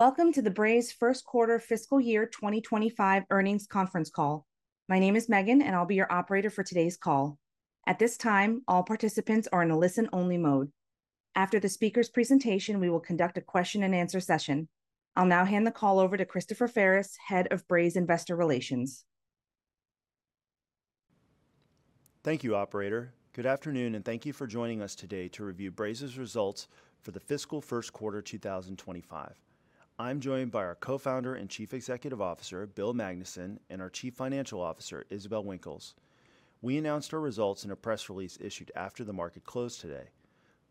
Welcome to the Braze First Quarter Fiscal Year 2025 Earnings Conference Call. My name is Megan, and I'll be your operator for today's call. At this time, all participants are in a listen-only mode. After the speaker's presentation, we will conduct a question-and-answer session. I'll now hand the call over to Christopher Ferris, Head of Braze Investor Relations. Thank you, operator. Good afternoon, and thank you for joining us today to review Braze's results for the fiscal first quarter 2025. I'm joined by our Co-founder and Chief Executive Officer, Bill Magnuson, and our Chief Financial Officer, Isabelle Winkles. We announced our results in a press release issued after the market closed today.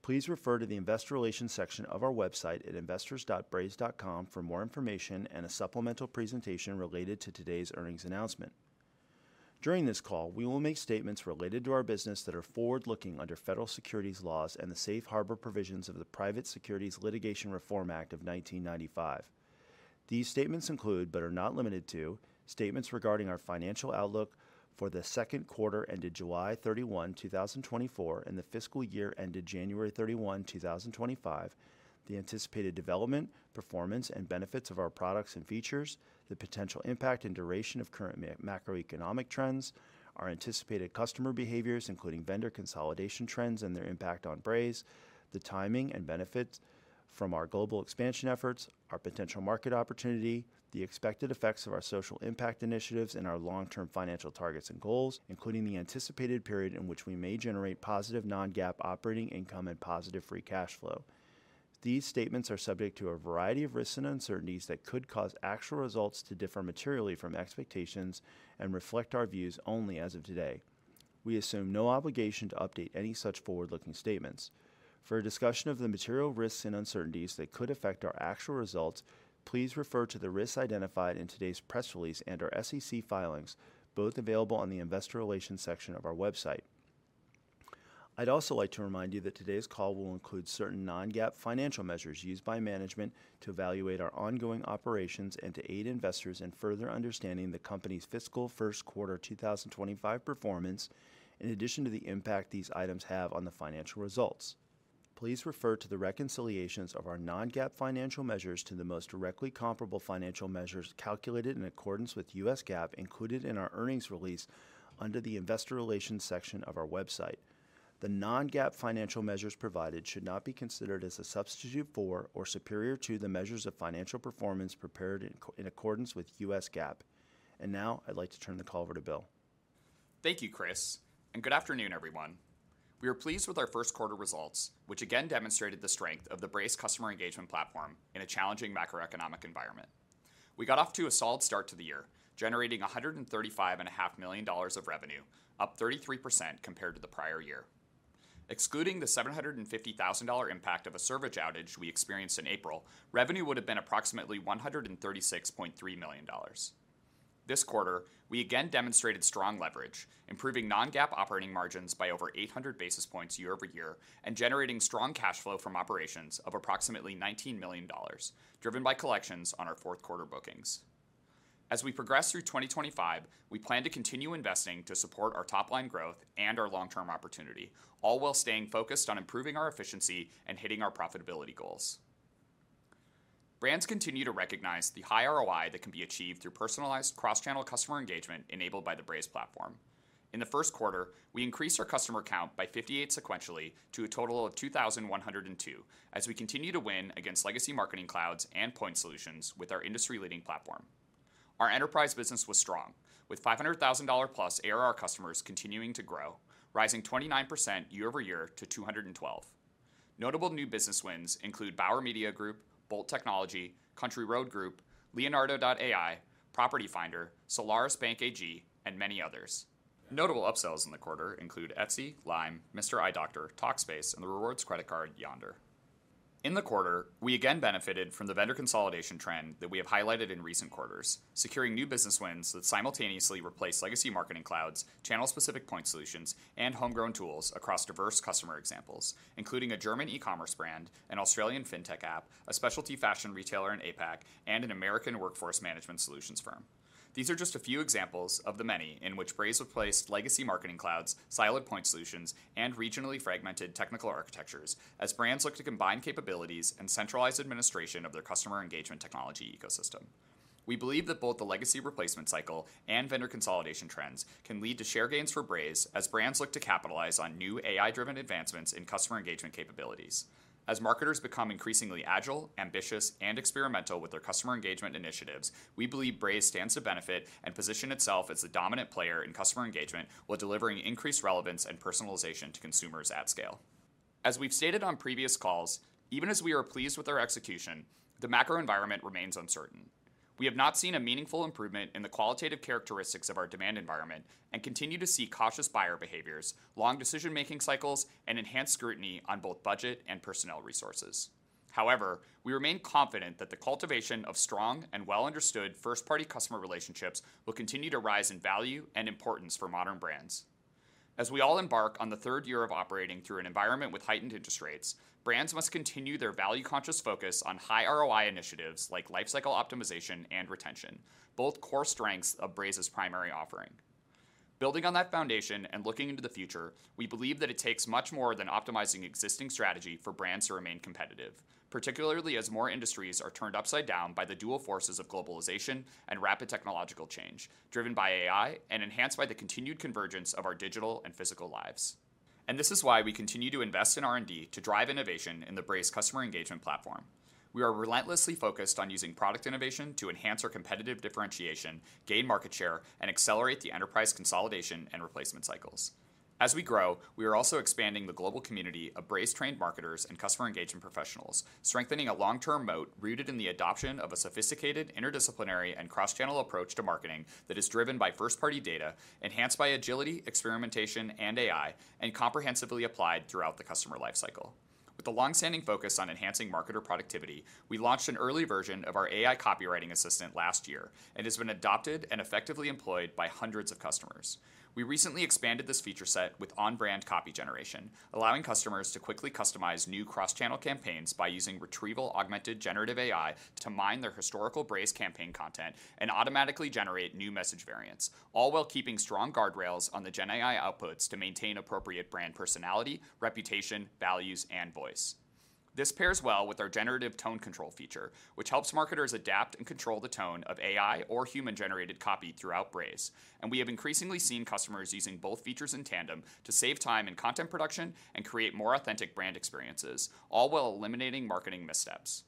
Please refer to the investor relations section of our website at investors.braze.com for more information and a supplemental presentation related to today's earnings announcement. During this call, we will make statements related to our business that are forward-looking under federal securities laws and the safe harbor provisions of the Private Securities Litigation Reform Act of 1995. These statements include, but are not limited to, statements regarding our financial outlook for the second quarter ended July 31, 2024, and the fiscal year ended January 31, 2025, the anticipated development, performance, and benefits of our products and features, the potential impact and duration of current macroeconomic trends, our anticipated customer behaviors, including vendor consolidation trends and their impact on Braze, the timing and benefits from our global expansion efforts, our potential market opportunity, the expected effects of our social impact initiatives, and our long-term financial targets and goals, including the anticipated period in which we may generate positive non-GAAP operating income and positive free cash flow. These statements are subject to a variety of risks and uncertainties that could cause actual results to differ materially from expectations and reflect our views only as of today. We assume no obligation to update any such forward-looking statements. For a discussion of the material risks and uncertainties that could affect our actual results, please refer to the risks identified in today's press release and our SEC filings, both available on the Investor Relations section of our website. I'd also like to remind you that today's call will include certain non-GAAP financial measures used by management to evaluate our ongoing operations and to aid investors in further understanding the company's fiscal first quarter 2025 performance, in addition to the impact these items have on the financial results. Please refer to the reconciliations of our non-GAAP financial measures to the most directly comparable financial measures calculated in accordance with U.S. GAAP, included in our earnings release under the Investor Relations section of our website. The non-GAAP financial measures provided should not be considered as a substitute for or superior to the measures of financial performance prepared in accordance with U.S. GAAP. And now, I'd like to turn the call over to Bill. Thank you, Chris, and good afternoon, everyone. We are pleased with our first quarter results, which again demonstrated the strength of the Braze customer engagement platform in a challenging macroeconomic environment. We got off to a solid start to the year, generating $135.5 million of revenue, up 33% compared to the prior year. Excluding the $750,000 impact of a service outage we experienced in April, revenue would have been approximately $136.3 million. This quarter, we again demonstrated strong leverage, improving non-GAAP operating margins by over 800 basis points year over year and generating strong cash flow from operations of approximately $19 million, driven by collections on our fourth quarter bookings. As we progress through 2025, we plan to continue investing to support our top-line growth and our long-term opportunity, all while staying focused on improving our efficiency and hitting our profitability goals. Brands continue to recognize the high ROI that can be achieved through personalized cross-channel customer engagement enabled by the Braze platform. In the first quarter, we increased our customer count by 58 sequentially to a total of 2,102, as we continue to win against legacy marketing clouds and point solutions with our industry-leading platform. Our enterprise business was strong, with $500,000-plus ARR customers continuing to grow, rising 29% year-over-year to 212. Notable new business wins include Bauer Media Group, Bolt Technology, Country Road Group, Leonardo.ai, Property Finder, Solarisbank AG, and many others. Notable upsells in the quarter include Etsy, Lime, Mr. Eye Doctor, Talkspace, and the rewards credit card, Yonder. In the quarter, we again benefited from the vendor consolidation trend that we have highlighted in recent quarters, securing new business wins that simultaneously replace legacy marketing clouds, channel-specific point solutions, and homegrown tools across diverse customer examples, including a German e-commerce brand, an Australian fintech app, a specialty fashion retailer in APAC, and an American workforce management solutions firm. These are just a few examples of the many in which Braze replaced legacy marketing clouds, siloed point solutions, and regionally fragmented technical architectures as brands look to combine capabilities and centralize administration of their customer engagement technology ecosystem. We believe that both the legacy replacement cycle and vendor consolidation trends can lead to share gains for Braze as brands look to capitalize on new AI-driven advancements in customer engagement capabilities. As marketers become increasingly agile, ambitious, and experimental with their customer engagement initiatives, we believe Braze stands to benefit and position itself as the dominant player in customer engagement, while delivering increased relevance and personalization to consumers at scale. As we've stated on previous calls, even as we are pleased with our execution, the macro environment remains uncertain. We have not seen a meaningful improvement in the qualitative characteristics of our demand environment and continue to see cautious buyer behaviors, long decision-making cycles, and enhanced scrutiny on both budget and personnel resources. However, we remain confident that the cultivation of strong and well-understood first-party customer relationships will continue to rise in value and importance for modern brands. As we all embark on the third year of operating through an environment with heightened interest rates, brands must continue their value-conscious focus on high ROI initiatives like life cycle optimization and retention, both core strengths of Braze's primary offering. Building on that foundation and looking into the future, we believe that it takes much more than optimizing existing strategy for brands to remain competitive, particularly as more industries are turned upside down by the dual forces of globalization and rapid technological change, driven by AI and enhanced by the continued convergence of our digital and physical lives. And this is why we continue to invest in R&D to drive innovation in the Braze customer engagement platform. We are relentlessly focused on using product innovation to enhance our competitive differentiation, gain market share, and accelerate the enterprise consolidation and replacement cycles. As we grow, we are also expanding the global community of Braze-trained marketers and customer engagement professionals, strengthening a long-term moat rooted in the adoption of a sophisticated, interdisciplinary, and cross-channel approach to marketing that is driven by first-party data, enhanced by agility, experimentation, and AI, and comprehensively applied throughout the customer life cycle. With the long-standing focus on enhancing marketer productivity, we launched an early version of our AI copywriting assistant last year, and has been adopted and effectively employed by hundreds of customers. We recently expanded this feature set with on-brand copy generation, allowing customers to quickly customize new cross-channel campaigns by using retrieval-augmented generative AI to mine their historical Braze campaign content and automatically generate new message variants, all while keeping strong guardrails on the GenAI outputs to maintain appropriate brand personality, reputation, values, and voice. This pairs well with our generative tone control feature, which helps marketers adapt and control the tone of AI or human-generated copy throughout Braze, and we have increasingly seen customers using both features in tandem to save time in content production and create more authentic brand experiences, all while eliminating marketing missteps.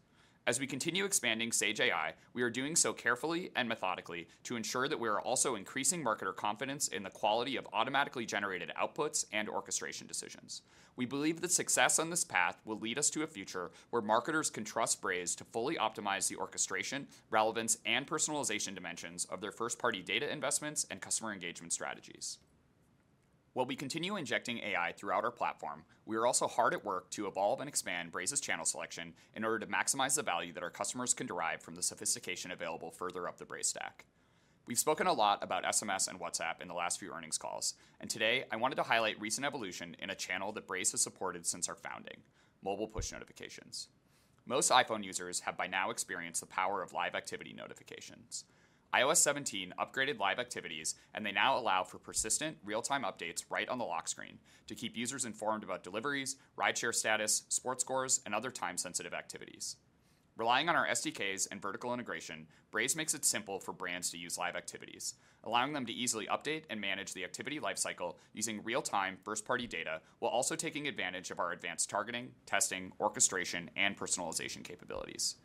As we continue expanding Sage AI, we are doing so carefully and methodically to ensure that we are also increasing marketer confidence in the quality of automatically generated outputs and orchestration decisions. We believe that success on this path will lead us to a future where marketers can trust Braze to fully optimize the orchestration, relevance, and personalization dimensions of their first-party data investments and customer engagement strategies. While we continue injecting AI throughout our platform, we are also hard at work to evolve and expand Braze's channel selection in order to maximize the value that our customers can derive from the sophistication available further up the Braze stack. We've spoken a lot about SMS and WhatsApp in the last few earnings calls, and today I wanted to highlight recent evolution in a channel that Braze has supported since our founding, mobile push notifications. Most iPhone users have by now experienced the power of Live Activities notifications. iOS 17 upgraded Live Activities, and they now allow for persistent real-time updates right on the lock screen to keep users informed about deliveries, rideshare status, sports scores, and other time-sensitive activities. Relying on our SDKs and vertical integration, Braze makes it simple for brands to use live activities, allowing them to easily update and manage the activity lifecycle using real-time, first-party data, while also taking advantage of our advanced targeting, testing, orchestration, and personalization capabilities.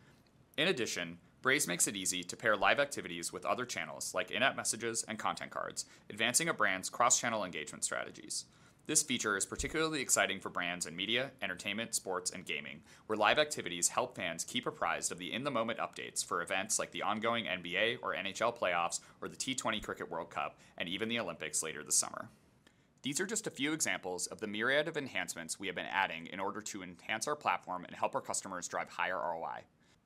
In addition, Braze makes it easy to pair live activities with other channels like in-app messages and Content Cards, advancing a brand's cross-channel engagement strategies. This feature is particularly exciting for brands in media, entertainment, sports, and gaming, where live activities help fans keep apprised of the in-the-moment updates for events like the ongoing NBA or NHL playoffs, or the T20 Cricket World Cup, and even the Olympics later this summer. These are just a few examples of the myriad of enhancements we have been adding in order to enhance our platform and help our customers drive higher ROI.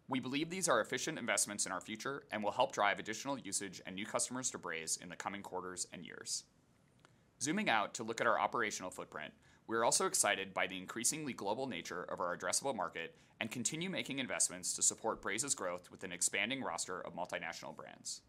We believe these are efficient investments in our future and will help drive additional usage and new customers to Braze in the coming quarters and years. Zooming out to look at our operational footprint, we are also excited by the increasingly global nature of our addressable market and continue making investments to support Braze's growth with an expanding roster of multinational brands.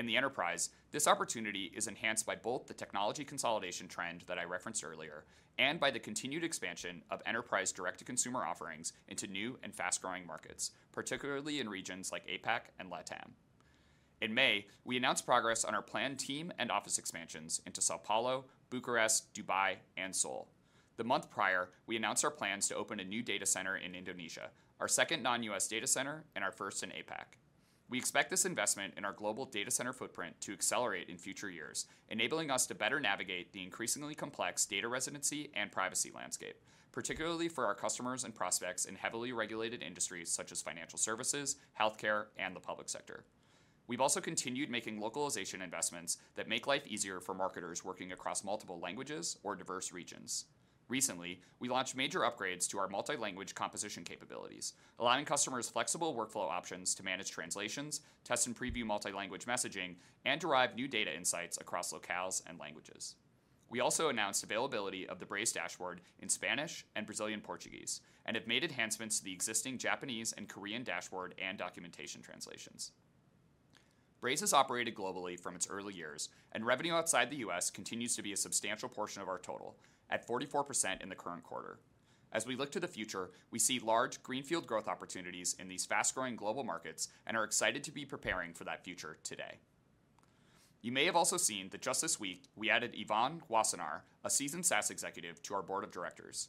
In the enterprise, this opportunity is enhanced by both the technology consolidation trend that I referenced earlier and by the continued expansion of enterprise direct-to-consumer offerings into new and fast-growing markets, particularly in regions like APAC and LATAM. In May, we announced progress on our planned team and office expansions into São Paulo, Bucharest, Dubai, and Seoul. The month prior, we announced our plans to open a new data center in Indonesia, our second non-US data center and our first in APAC. We expect this investment in our global data center footprint to accelerate in future years, enabling us to better navigate the increasingly complex data residency and privacy landscape, particularly for our customers and prospects in heavily regulated industries such as financial services, healthcare, and the public sector. We've also continued making localization investments that make life easier for marketers working across multiple languages or diverse regions. Recently, we launched major upgrades to our multi-language composition capabilities, allowing customers flexible workflow options to manage translations, test and preview multi-language messaging, and derive new data insights across locales and languages. We also announced availability of the Braze dashboard in Spanish and Brazilian Portuguese, and have made enhancements to the existing Japanese and Korean dashboard and documentation translations. Braze has operated globally from its early years, and revenue outside the US continues to be a substantial portion of our total, at 44% in the current quarter. As we look to the future, we see large greenfield growth opportunities in these fast-growing global markets and are excited to be preparing for that future today. You may have also seen that just this week, we added Yvonne Wassenaar, a seasoned SaaS executive, to our board of directors.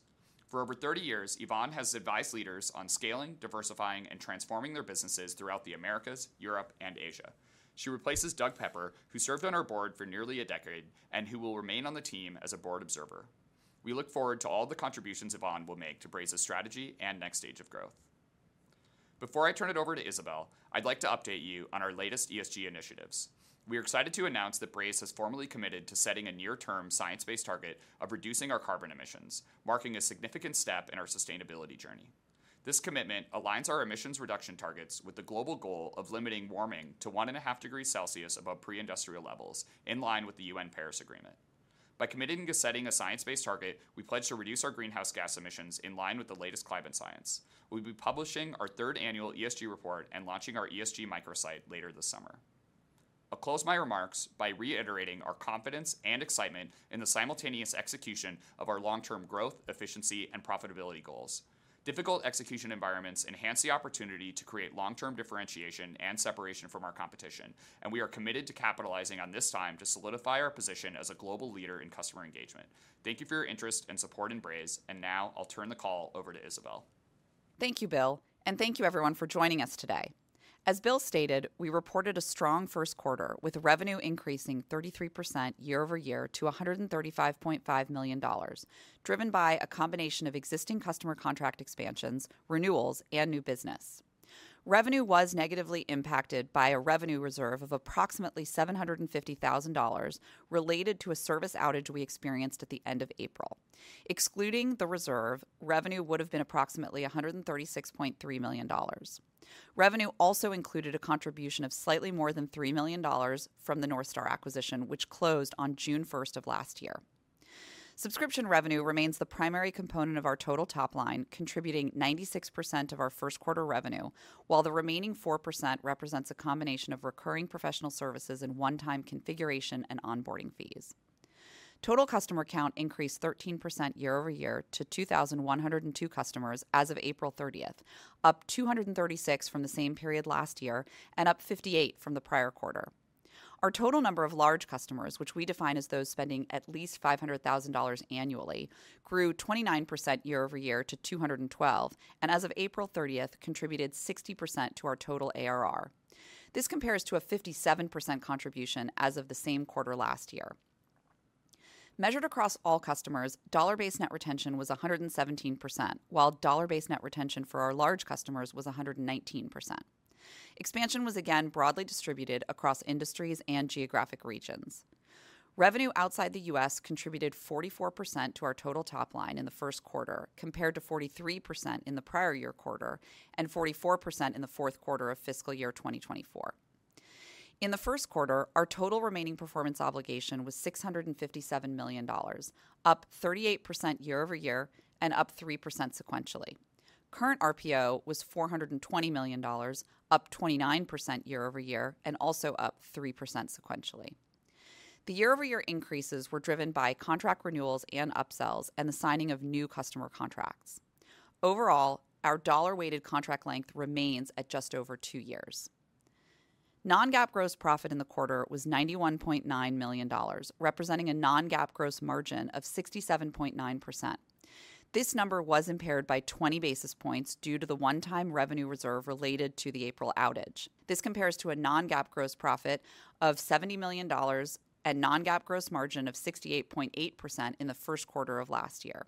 For over 30 years, Yvonne has advised leaders on scaling, diversifying, and transforming their businesses throughout the Americas, Europe, and Asia. She replaces Doug Pepper, who served on our board for nearly a decade and who will remain on the team as a board observer. We look forward to all the contributions Yvonne will make to Braze's strategy and next stage of growth. Before I turn it over to Isabelle, I'd like to update you on our latest ESG initiatives. We are excited to announce that Braze has formally committed to setting a near-term, science-based target of reducing our carbon emissions, marking a significant step in our sustainability journey. This commitment aligns our emissions reduction targets with the global goal of limiting warming to one and a half degrees Celsius above pre-industrial levels, in line with the UN Paris Agreement. By committing to setting a science-based target, we pledge to reduce our greenhouse gas emissions in line with the latest climate science. We'll be publishing our third annual ESG report and launching our ESG microsite later this summer. I'll close my remarks by reiterating our confidence and excitement in the simultaneous execution of our long-term growth, efficiency, and profitability goals. Difficult execution environments enhance the opportunity to create long-term differentiation and separation from our competition, and we are committed to capitalizing on this time to solidify our position as a global leader in customer engagement. Thank you for your interest and support in Braze, and now I'll turn the call over to Isabelle. Thank you, Bill, and thank you everyone for joining us today. As Bill stated, we reported a strong first quarter, with revenue increasing 33% year-over-year to $135.5 million, driven by a combination of existing customer contract expansions, renewals, and new business. Revenue was negatively impacted by a revenue reserve of approximately $750,000 related to a service outage we experienced at the end of April. Excluding the reserve, revenue would have been approximately $136.3 million. Revenue also included a contribution of slightly more than $3 million from the North Star acquisition, which closed on June first of last year. Subscription revenue remains the primary component of our total top line, contributing 96% of our first quarter revenue, while the remaining 4% represents a combination of recurring professional services and one-time configuration and onboarding fees. Total customer count increased 13% year-over-year to 2,102 customers as of April 30th, up 236 from the same period last year and up 58 from the prior quarter. Our total number of large customers, which we define as those spending at least $500,000 annually, grew 29% year-over-year to 212, and as of April thirtieth, contributed 60% to our total ARR. This compares to a 57% contribution as of the same quarter last year. Measured across all customers, dollar-based net retention was 117%, while dollar-based net retention for our large customers was 119%. Expansion was again broadly distributed across industries and geographic regions. Revenue outside the U.S. contributed 44% to our total top line in the first quarter, compared to 43% in the prior year quarter and 44% in the fourth quarter of fiscal year 2024. In the first quarter, our total Remaining Performance Obligation was $657 million, up 38% year-over-year and up 3% sequentially. Current RPO was $420 million, up 29% year-over-year, and also up 3% sequentially. The year-over-year increases were driven by contract renewals and upsells and the signing of new customer contracts. Overall, our dollar-weighted contract length remains at just over two years. Non-GAAP gross profit in the quarter was $91.9 million, representing a non-GAAP gross margin of 67.9%. This number was impaired by 20 basis points due to the one-time revenue reserve related to the April outage. This compares to a non-GAAP gross profit of $70 million and non-GAAP gross margin of 68.8% in the first quarter of last year.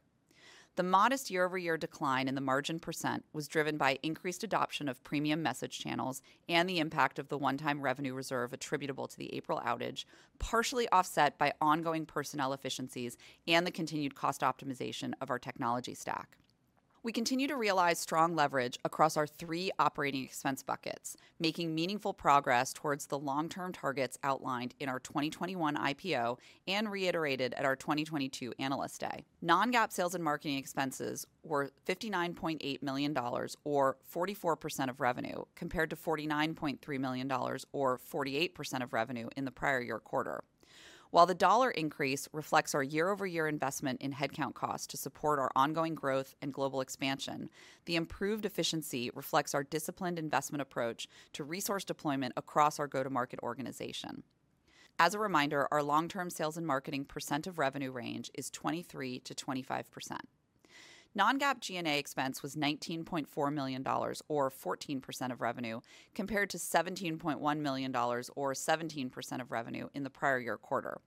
The modest year-over-year decline in the margin percent was driven by increased adoption of premium message channels and the impact of the one-time revenue reserve attributable to the April outage, partially offset by ongoing personnel efficiencies and the continued cost optimization of our technology stack. We continue to realize strong leverage across our three operating expense buckets, making meaningful progress towards the long-term targets outlined in our 2021 IPO and reiterated at our 2022 Analyst Day. Non-GAAP sales and marketing expenses were $59.8 million, or 44% of revenue, compared to $49.3 million, or 48% of revenue in the prior year quarter. While the dollar increase reflects our year-over-year investment in headcount costs to support our ongoing growth and global expansion, the improved efficiency reflects our disciplined investment approach to resource deployment across our go-to-market organization. As a reminder, our long-term sales and marketing percent of revenue range is 23%-25%. Non-GAAP G&A expense was $19.4 million, or 14% of revenue, compared to $17.1 million, or 17% of revenue, in the prior year quarter.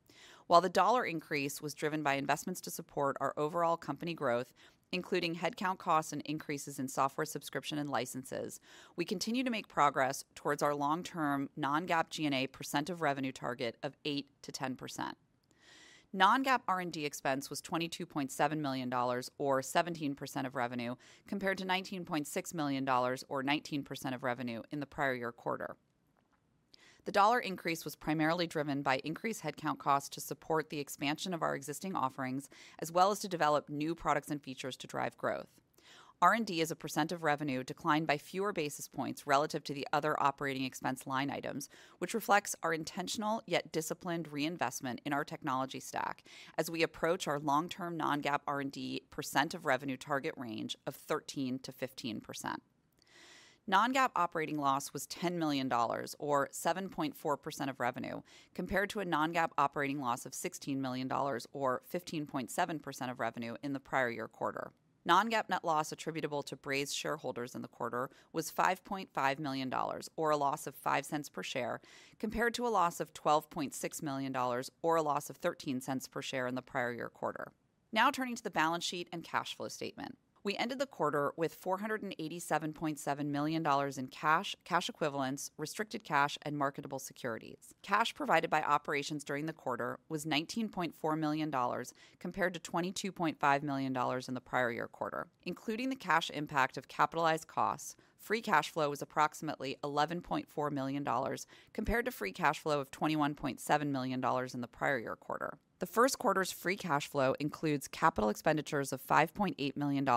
While the dollar increase was driven by investments to support our overall company growth, including headcount costs and increases in software subscription and licenses, we continue to make progress towards our long-term non-GAAP G&A percent of revenue target of 8%-10%. Non-GAAP R&D expense was $22.7 million, or 17% of revenue, compared to $19.6 million or 19% of revenue in the prior year quarter. The dollar increase was primarily driven by increased headcount costs to support the expansion of our existing offerings, as well as to develop new products and features to drive growth. R&D, as a percent of revenue, declined by fewer basis points relative to the other operating expense line items, which reflects our intentional, yet disciplined reinvestment in our technology stack as we approach our long-term non-GAAP R&D percent of revenue target range of 13%-15%. Non-GAAP operating loss was $10 million, or 7.4% of revenue, compared to a non-GAAP operating loss of $16 million, or 15.7% of revenue in the prior year quarter. Non-GAAP net loss attributable to Braze shareholders in the quarter was $5.5 million, or a loss of $0.05 per share, compared to a loss of $12.6 million, or a loss of $0.13 per share in the prior year quarter. Now turning to the balance sheet and cash flow statement. We ended the quarter with $487.7 million in cash, cash equivalents, restricted cash, and marketable securities. Cash provided by operations during the quarter was $19.4 million, compared to $22.5 million in the prior year quarter. Including the cash impact of capitalized costs, Free Cash Flow was approximately $11.4 million, compared to Free Cash Flow of $21.7 million in the prior year quarter. The first quarter's Free Cash Flow includes capital expenditures of $5.8 million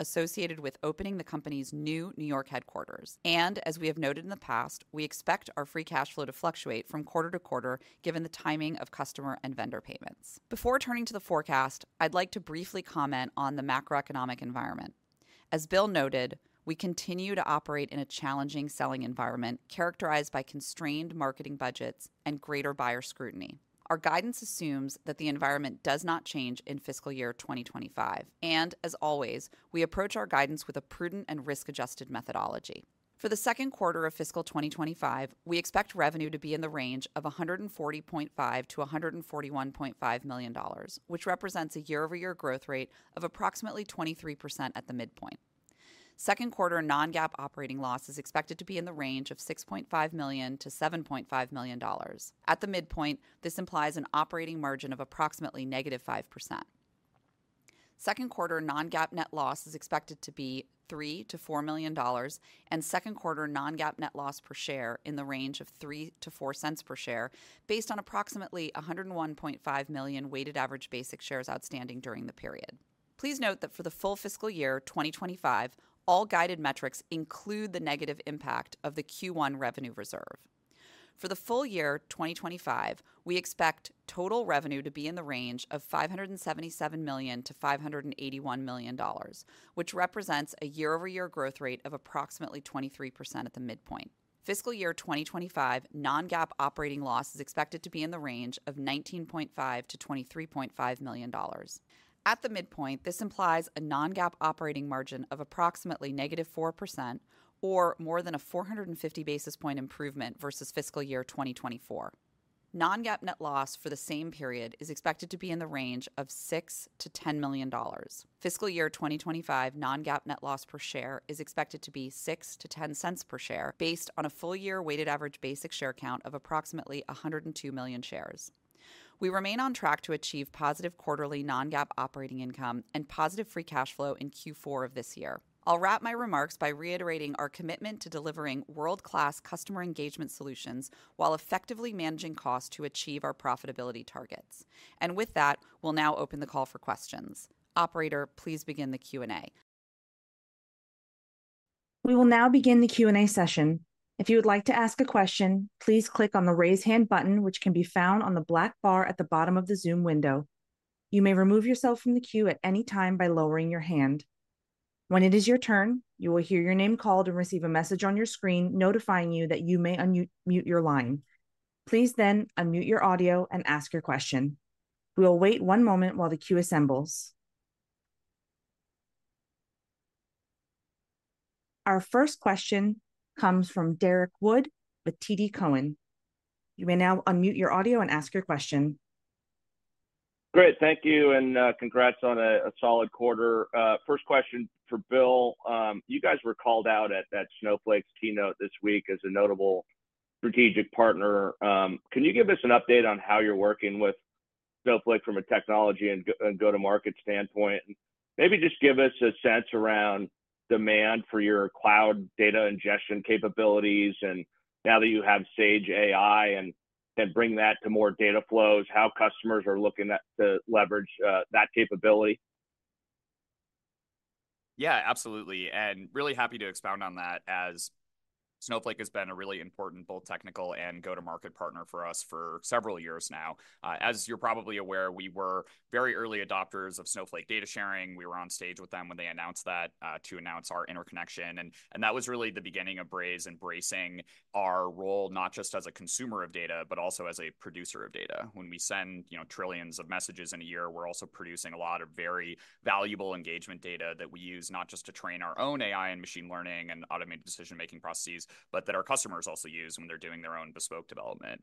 associated with opening the company's new New York headquarters. As we have noted in the past, we expect our Free Cash Flow to fluctuate from quarter to quarter, given the timing of customer and vendor payments. Before turning to the forecast, I'd like to briefly comment on the macroeconomic environment. As Bill noted, we continue to operate in a challenging selling environment, characterized by constrained marketing budgets and greater buyer scrutiny. Our guidance assumes that the environment does not change in fiscal year 2025, and as always, we approach our guidance with a prudent and risk-adjusted methodology. For the second quarter of fiscal 2025, we expect revenue to be in the range of $140.5 million-$141.5 million, which represents a year-over-year growth rate of approximately 23% at the midpoint. Second quarter non-GAAP operating loss is expected to be in the range of $6.5 million-$7.5 million. At the midpoint, this implies an operating margin of approximately -5%. Second quarter non-GAAP net loss is expected to be $3 million-$4 million, and second quarter non-GAAP net loss per share in the range of $0.03-$0.04 per share, based on approximately 101.5 million weighted average basic shares outstanding during the period. Please note that for the full fiscal year 2025, all guided metrics include the negative impact of the Q1 revenue reserve. For the full year 2025, we expect total revenue to be in the range of $577 million-$581 million, which represents a year-over-year growth rate of approximately 23% at the midpoint. Fiscal year 2025 non-GAAP operating loss is expected to be in the range of $19.5 million-$23.5 million. At the midpoint, this implies a non-GAAP operating margin of approximately -4% or more than a 450 basis point improvement versus fiscal year 2024. Non-GAAP net loss for the same period is expected to be in the range of $6 million-$10 million. Fiscal year 2025 non-GAAP net loss per share is expected to be $0.06-$0.10 per share, based on a full year weighted average basic share count of approximately 102 million shares. We remain on track to achieve positive quarterly non-GAAP operating income and positive free cash flow in Q4 of this year. I'll wrap my remarks by reiterating our commitment to delivering world-class customer engagement solutions, while effectively managing costs to achieve our profitability targets. With that, we'll now open the call for questions. Operator, please begin the Q&A. We will now begin the Q&A session. If you would like to ask a question, please click on the Raise Hand button, which can be found on the black bar at the bottom of the Zoom window. You may remove yourself from the queue at any time by lowering your hand. When it is your turn, you will hear your name called and receive a message on your screen notifying you that you may unmute, mute your line. Please then unmute your audio and ask your question. We will wait one moment while the queue assembles. Our first question comes from Derrick Wood with TD Cowen. You may now unmute your audio and ask your question. Great. Thank you, and congrats on a solid quarter. First question for Bill. You guys were called out at that Snowflake's keynote this week as a notable strategic partner. Can you give us an update on how you're working with Snowflake from a technology and go-to-market standpoint? And maybe just give us a sense around demand for your cloud data ingestion capabilities, and now that you have Sage AI and can bring that to more data flows, how customers are looking to leverage that capability. Yeah, absolutely. Really happy to expound on that as Snowflake has been a really important, both technical and go-to-market partner for us for several years now. As you're probably aware, we were very early adopters of Snowflake data sharing. We were on stage with them when they announced that to announce our interconnection, and that was really the beginning of Braze embracing our role, not just as a consumer of data, but also as a producer of data. When we send, you know, trillions of messages in a year, we're also producing a lot of very valuable engagement data that we use, not just to train our own AI and machine learning and automated decision-making processes, but that our customers also use when they're doing their own bespoke development.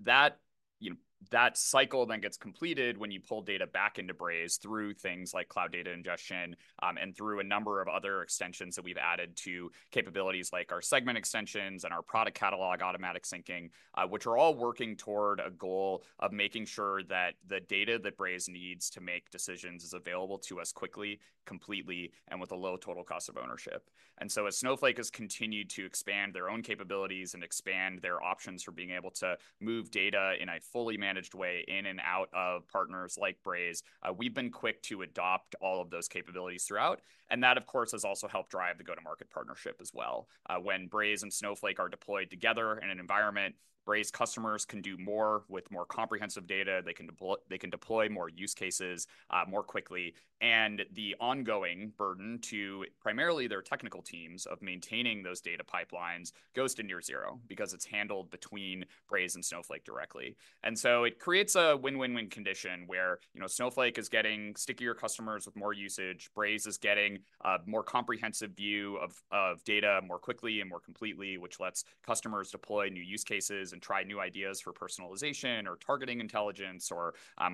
That, you know, that cycle then gets completed when you pull data back into Braze through things like Cloud Data Ingestion, and through a number of other extensions that we've added to capabilities like our Segment Extensions and our product catalog, automatic syncing, which are all working toward a goal of making sure that the data that Braze needs to make decisions is available to us quickly, completely, and with a low total cost of ownership. And so as Snowflake has continued to expand their own capabilities and expand their options for being able to move data in a fully managed way, in and out of partners like Braze, we've been quick to adopt all of those capabilities throughout, and that, of course, has also helped drive the go-to-market partnership as well. When Braze and Snowflake are deployed together in an environment, Braze customers can do more with more comprehensive data. They can deploy they can deploy more use cases more quickly. And the ongoing burden to primarily their technical teams of maintaining those data pipelines goes to near zero, because it's handled between Braze and Snowflake directly. And so it creates a win-win-win condition, where, you know, Snowflake is getting stickier customers with more usage. Braze is getting a more comprehensive view of data more quickly and more completely, which lets customers deploy new use cases and try new ideas for personalization, or targeting intelligence, or,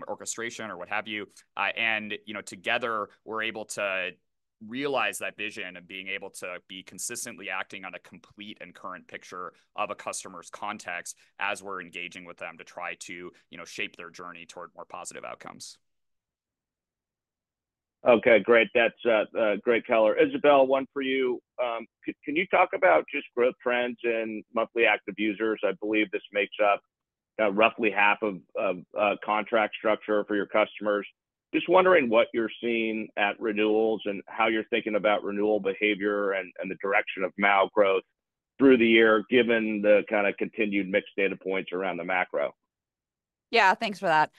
orchestration, or what have you. You know, together, we're able to realize that vision of being able to be consistently acting on a complete and current picture of a customer's context as we're engaging with them to try to, you know, shape their journey toward more positive outcomes. Okay, great. That's a great color. Isabelle, one for you. Can you talk about just growth trends and monthly active users? I believe this makes up roughly half of contract structure for your customers. Just wondering what you're seeing at renewals and how you're thinking about renewal behavior and the direction of MAU growth through the year, given the kind of continued mixed data points around the macro. Yeah, thanks for that.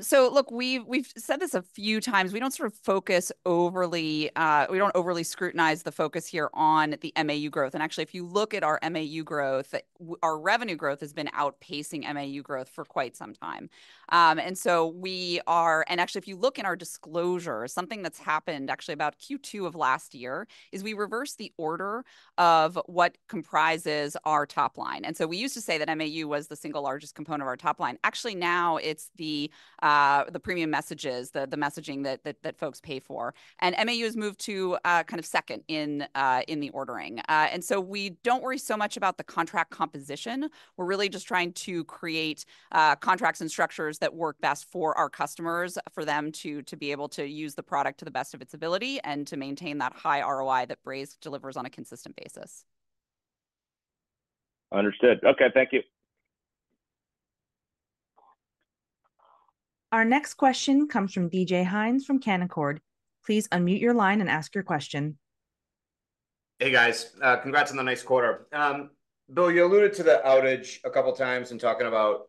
So look, we've, we've said this a few times: we don't sort of focus overly, we don't overly scrutinize the focus here on the MAU growth. And actually, if you look at our MAU growth, our revenue growth has been outpacing MAU growth for quite some time. And actually if you look in our disclosure, something that's happened actually about Q2 of last year, is we reversed the order of what comprises our top line. And so we used to say that MAU was the single largest component of our top line. Actually, now it's the, the premium messages, the, the messaging that folks pay for, and MAU has moved to, kind of second in, in the ordering. And so we don't worry so much about the contract composition. We're really just trying to create contracts and structures that work best for our customers, for them to be able to use the product to the best of its ability and to maintain that high ROI that Braze delivers on a consistent basis. Understood. Okay, thank you. Our next question comes from DJ Hynes from Canaccord. Please unmute your line and ask your question. Hey, guys. Congrats on the nice quarter. Bill, you alluded to the outage a couple times in talking about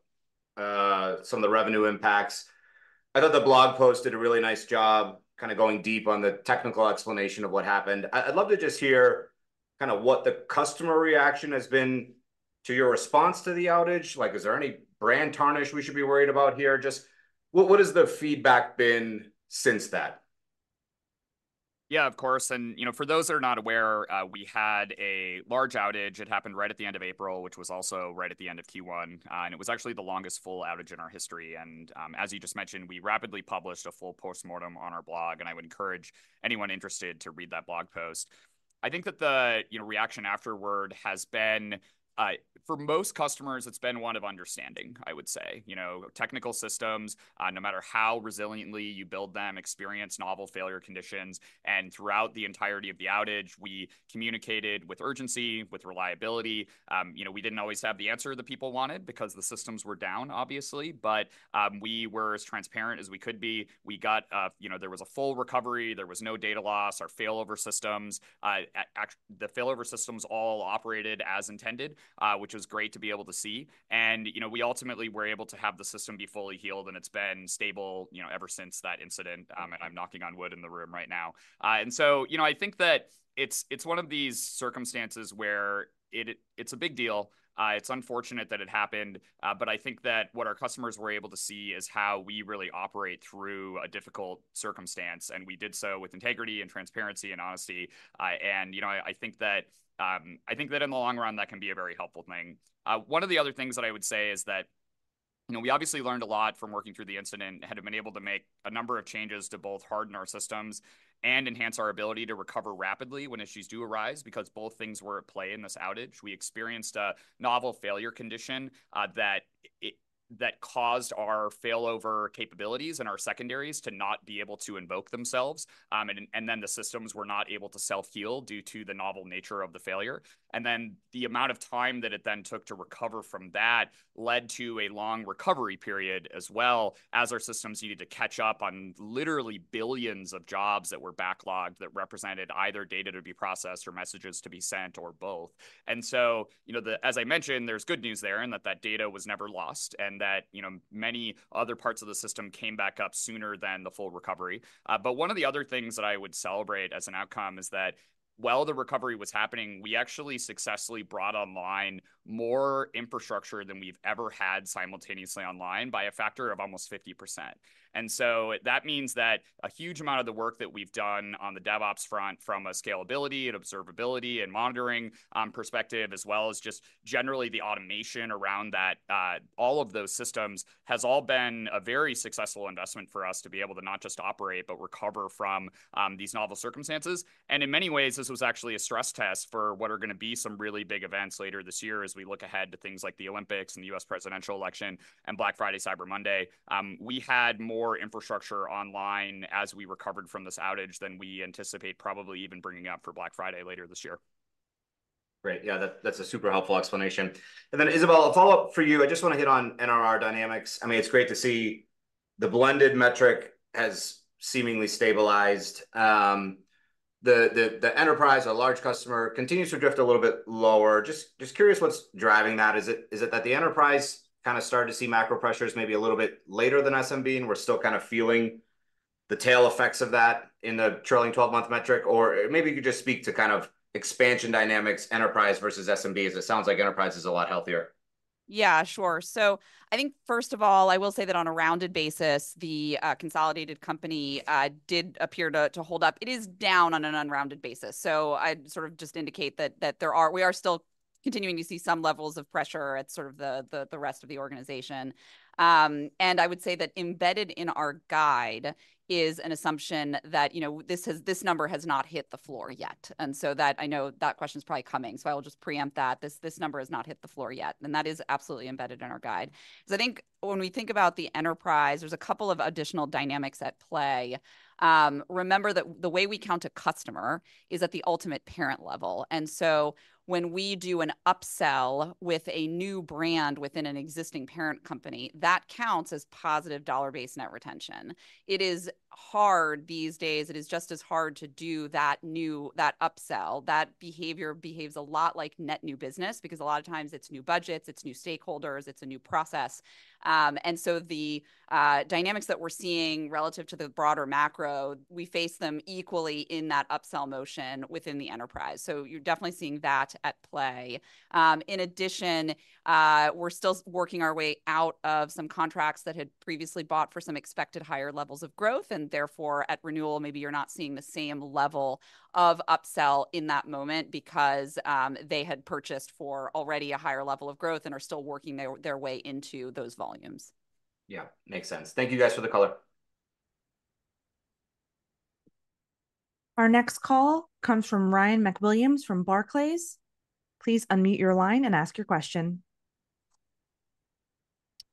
some of the revenue impacts. I thought the blog post did a really nice job kind of going deep on the technical explanation of what happened. I'd love to just hear kind of what the customer reaction has been to your response to the outage. Like, is there any brand tarnish we should be worried about here? Just what has the feedback been since that? Yeah, of course, and, you know, for those that are not aware, we had a large outage. It happened right at the end of April, which was also right at the end of Q1, and it was actually the longest full outage in our history. And, as you just mentioned, we rapidly published a full postmortem on our blog, and I would encourage anyone interested to read that blog post. I think that the, you know, reaction afterward has been, for most customers, it's been one of understanding, I would say. You know, technical systems, no matter how resiliently you build them, experience novel failure conditions, and throughout the entirety of the outage, we communicated with urgency, with reliability. You know, we didn't always have the answer that people wanted because the systems were down, obviously, but we were as transparent as we could be. You know, there was a full recovery, there was no data loss. Our failover systems all operated as intended, which was great to be able to see. And, you know, we ultimately were able to have the system be fully healed, and it's been stable, you know, ever since that incident. I'm knocking on wood in the room right now. And so, you know, I think that it's one of these circumstances where it's a big deal. It's unfortunate that it happened, but I think that what our customers were able to see is how we really operate through a difficult circumstance, and we did so with integrity and transparency and honesty. And, you know, I think that in the long run, that can be a very helpful thing. One of the other things that I would say is that, you know, we obviously learned a lot from working through the incident, and have been able to make a number of changes to both harden our systems and enhance our ability to recover rapidly when issues do arise, because both things were at play in this outage. We experienced a novel failure condition that caused our failover capabilities and our secondaries to not be able to invoke themselves. And then the systems were not able to self-heal due to the novel nature of the failure. And then the amount of time that it then took to recover from that led to a long recovery period as well, as our systems needed to catch up on literally billions of jobs that were backlogged that represented either data to be processed or messages to be sent, or both. And so, you know, as I mentioned, there's good news there, and that data was never lost, and that, you know, many other parts of the system came back up sooner than the full recovery. But one of the other things that I would celebrate as an outcome is that, while the recovery was happening, we actually successfully brought online more infrastructure than we've ever had simultaneously online by a factor of almost 50%. And so that means that a huge amount of the work that we've done on the DevOps front from a scalability and observability and monitoring perspective, as well as just generally the automation around that, all of those systems, has all been a very successful investment for us to be able to not just operate, but recover from these novel circumstances. And in many ways, this was actually a stress test for what are gonna be some really big events later this year as we look ahead to things like the Olympics and the U.S. Presidential Election, and Black Friday, Cyber Monday. We had more infrastructure online as we recovered from this outage than we anticipate probably even bringing up for Black Friday later this year. Great. Yeah, that's a super helpful explanation. And then, Isabelle, a follow-up for you. I just wanna hit on NRR dynamics. I mean, it's great to see the blended metric has seemingly stabilized. The enterprise, a large customer, continues to drift a little bit lower. Just curious what's driving that. Is it that the enterprise kind of started to see macro pressures maybe a little bit later than SMB, and we're still kind of feeling the tail effects of that in the trailing 12-month metric? Or maybe you could just speak to kind of expansion dynamics, enterprise versus SMB, as it sounds like enterprise is a lot healthier. Yeah, sure. So I think first of all, I will say that on a rounded basis, the consolidated company did appear to hold up. It is down on an unrounded basis, so I'd sort of just indicate that there are—we are still continuing to see some levels of pressure at sort of the rest of the organization. And I would say that embedded in our guide is an assumption that, you know, this number has not hit the floor yet. And so that, I know that question's probably coming, so I will just preempt that. This number has not hit the floor yet, and that is absolutely embedded in our guide. So I think when we think about the enterprise, there's a couple of additional dynamics at play. Remember that the way we count a customer is at the ultimate parent level, and so when we do an upsell with a new brand within an existing parent company, that counts as positive Dollar-Based Net Retention. It is hard these days, it is just as hard to do that new, that upsell. That behavior behaves a lot like net new business, because a lot of times it's new budgets, it's new stakeholders, it's a new process. And so the dynamics that we're seeing relative to the broader macro, we face them equally in that upsell motion within the enterprise. So you're definitely seeing that at play. In addition, we're still working our way out of some contracts that had previously bought for some expected higher levels of growth, and therefore, at renewal, maybe you're not seeing the same level of upsell in that moment because they had purchased for already a higher level of growth and are still working their way into those volumes. Yeah, makes sense. Thank you, guys, for the color. Our next call comes from Ryan MacWilliams from Barclays. Please unmute your line and ask your question.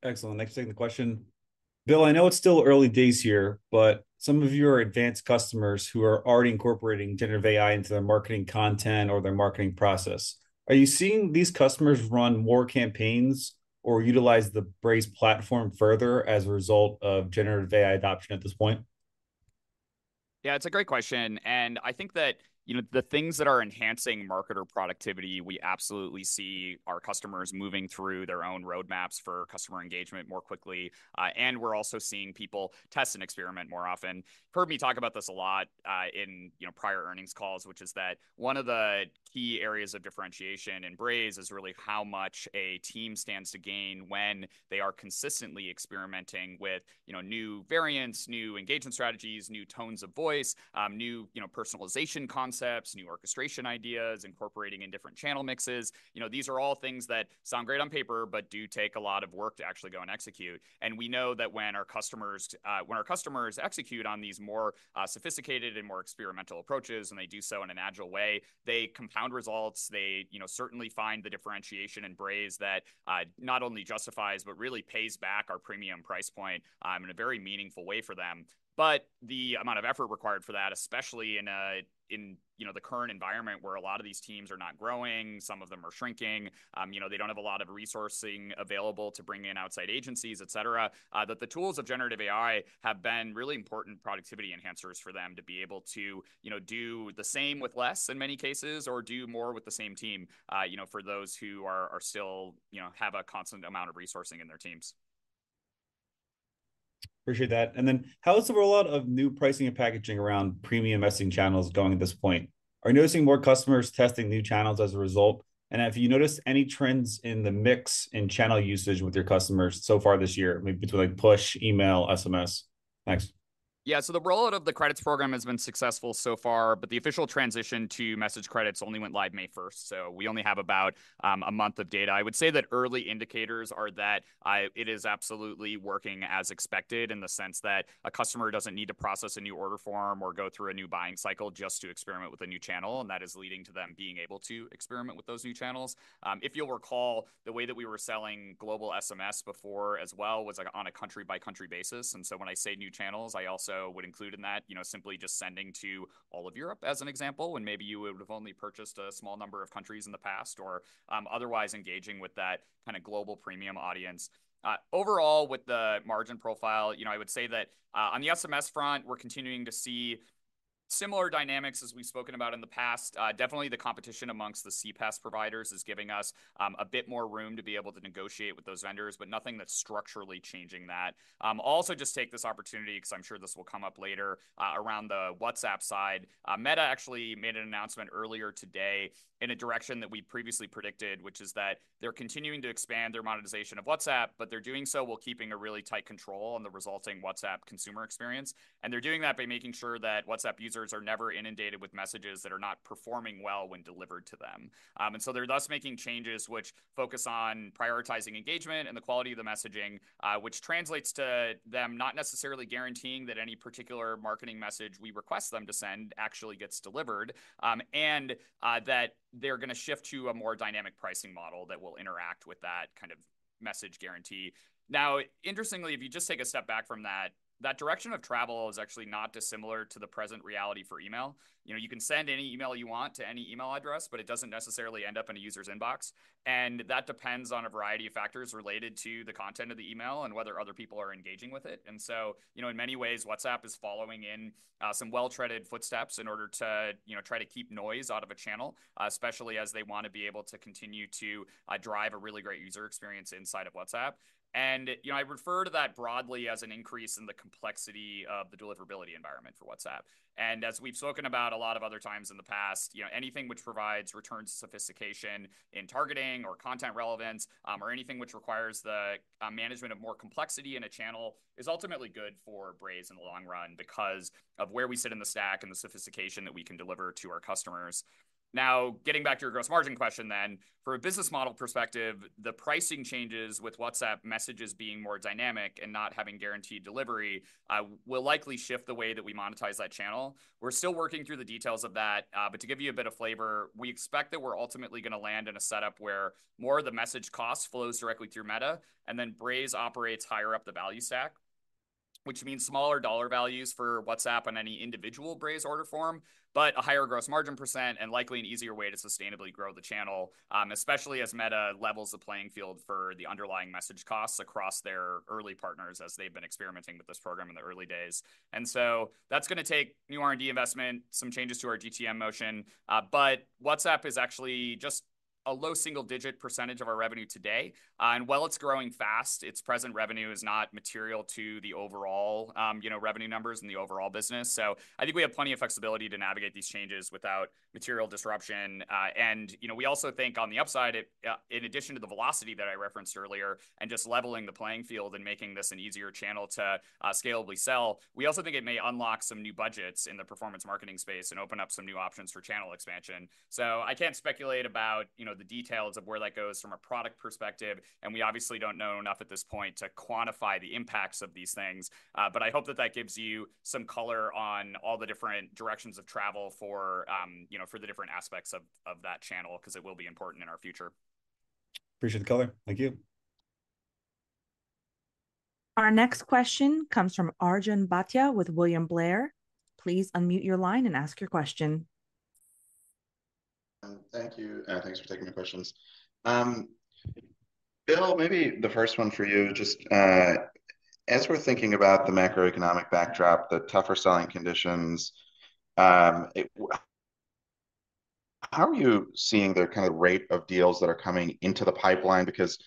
Excellent. Thanks for taking the question. Bill, I know it's still early days here, but some of your advanced customers who are already incorporating generative AI into their marketing content or their marketing process, are you seeing these customers run more campaigns or utilize the Braze platform further as a result of generative AI adoption at this point? Yeah, it's a great question, and I think that, you know, the things that are enhancing marketer productivity, we absolutely see our customers moving through their own roadmaps for customer engagement more quickly. And we're also seeing people test and experiment more often. You've heard me talk about this a lot, in, you know, prior earnings calls, which is that one of the key areas of differentiation in Braze is really how much a team stands to gain when they are consistently experimenting with, you know, new variants, new engagement strategies, new tones of voice, new, you know, personalization concepts, new orchestration ideas, incorporating in different channel mixes. You know, these are all things that sound great on paper, but do take a lot of work to actually go and execute. We know that when our customers, when our customers execute on these more sophisticated and more experimental approaches, and they do so in an agile way, they compound results. They, you know, certainly find the differentiation in Braze that not only justifies but really pays back our premium price point in a very meaningful way for them. The amount of effort required for that, especially in, in, you know, the current environment where a lot of these teams are not growing, some of them are shrinking, you know, they don't have a lot of resourcing available to bring in outside agencies, et cetera. that the tools of generative AI have been really important productivity enhancers for them to be able to, you know, do the same with less in many cases, or do more with the same team, you know, for those who are still, you know, have a constant amount of resourcing in their teams. Appreciate that. And then, how is the rollout of new pricing and packaging around premium messaging channels going at this point? Are you noticing more customers testing new channels as a result? And have you noticed any trends in the mix in channel usage with your customers so far this year, between like push email, SMS? Thanks. Yeah. So the rollout of the credits program has been successful so far, but the official transition to message credits only went live May 1st, so we only have about a month of data. I would say that early indicators are that it is absolutely working as expected, in the sense that a customer doesn't need to process a new order form or go through a new buying cycle just to experiment with a new channel, and that is leading to them being able to experiment with those new channels. If you'll recall, the way that we were selling global SMS before as well, was, like, on a country-by-country basis, and so when I say new channels, I also would include in that, you know, simply just sending to all of Europe, as an example, when maybe you would've only purchased a small number of countries in the past or, otherwise engaging with that kinda global premium audience. Overall with the margin profile, you know, I would say that, on the SMS front, we're continuing to see similar dynamics as we've spoken about in the past. Definitely the competition among the CPaaS providers is giving us, a bit more room to be able to negotiate with those vendors, but nothing that's structurally changing that. Also, just take this opportunity, 'cause I'm sure this will come up later, around the WhatsApp side. Meta actually made an announcement earlier today in a direction that we previously predicted, which is that they're continuing to expand their monetization of WhatsApp, but they're doing so while keeping a really tight control on the resulting WhatsApp consumer experience. They're doing that by making sure that WhatsApp users are never inundated with messages that are not performing well when delivered to them. So they're thus making changes which focus on prioritizing engagement and the quality of the messaging, which translates to them not necessarily guaranteeing that any particular marketing message we request them to send actually gets delivered, and that they're gonna shift to a more dynamic pricing model that will interact with that kind of message guarantee. Now, interestingly, if you just take a step back from that, that direction of travel is actually not dissimilar to the present reality for email. You know, you can send any email you want to any email address, but it doesn't necessarily end up in a user's inbox, and that depends on a variety of factors related to the content of the email and whether other people are engaging with it. And so, you know, in many ways, WhatsApp is following in some well-treaded footsteps in order to, you know, try to keep noise out of a channel, especially as they wanna be able to continue to drive a really great user experience inside of WhatsApp. And, you know, I refer to that broadly as an increase in the complexity of the deliverability environment for WhatsApp. As we've spoken about a lot of other times in the past, you know, anything which provides returns to sophistication in targeting or content relevance, or anything which requires the management of more complexity in a channel, is ultimately good for Braze in the long run because of where we sit in the stack and the sophistication that we can deliver to our customers. Now, getting back to your gross margin question then, from a business model perspective, the pricing changes with WhatsApp messages being more dynamic and not having guaranteed delivery, will likely shift the way that we monetize that channel. We're still working through the details of that, but to give you a bit of flavor, we expect that we're ultimately gonna land in a setup where more of the message cost flows directly through Meta, and then Braze operates higher up the value stack, which means smaller dollar values for WhatsApp on any individual Braze order form, but a higher gross margin percent and likely an easier way to sustainably grow the channel, especially as Meta levels the playing field for the underlying message costs across their early partners as they've been experimenting with this program in the early days. So that's gonna take new R&D investment, some changes to our GTM motion, but WhatsApp is actually just a low single-digit percentage of our revenue today. And while it's growing fast, its present revenue is not material to the overall, you know, revenue numbers and the overall business. So I think we have plenty of flexibility to navigate these changes without material disruption. And, you know, we also think on the upside, it, in addition to the velocity that I referenced earlier, and just leveling the playing field and making this an easier channel to, scalably sell, we also think it may unlock some new budgets in the performance marketing space and open up some new options for channel expansion. So I can't speculate about, you know, the details of where that goes from a product perspective, and we obviously don't know enough at this point to quantify the impacts of these things. But I hope that that gives you some color on all the different directions of travel for, you know, for the different aspects of, of that channel, 'cause it will be important in our future. Appreciate the color. Thank you. Our next question comes from Arjun Bhatia with William Blair. Please unmute your line and ask your question. Thank you, and thanks for taking the questions. Bill, maybe the first one for you, just, as we're thinking about the macroeconomic backdrop, the tougher selling conditions, how are you seeing the kinda rate of deals that are coming into the pipeline? Because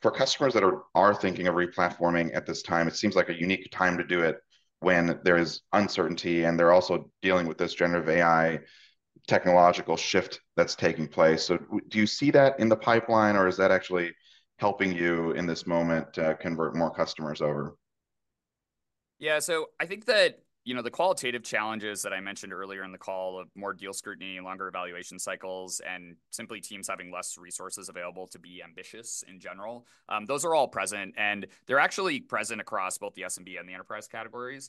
for customers that are thinking of replatforming at this time, it seems like a unique time to do it when there is uncertainty, and they're also dealing with this generative AI technological shift that's taking place. So do you see that in the pipeline, or is that actually helping you in this moment, convert more customers over? Yeah, so I think that, you know, the qualitative challenges that I mentioned earlier in the call, of more deal scrutiny, and longer evaluation cycles, and simply teams having less resources available to be ambitious in general, those are all present, and they're actually present across both the SMB and the enterprise categories.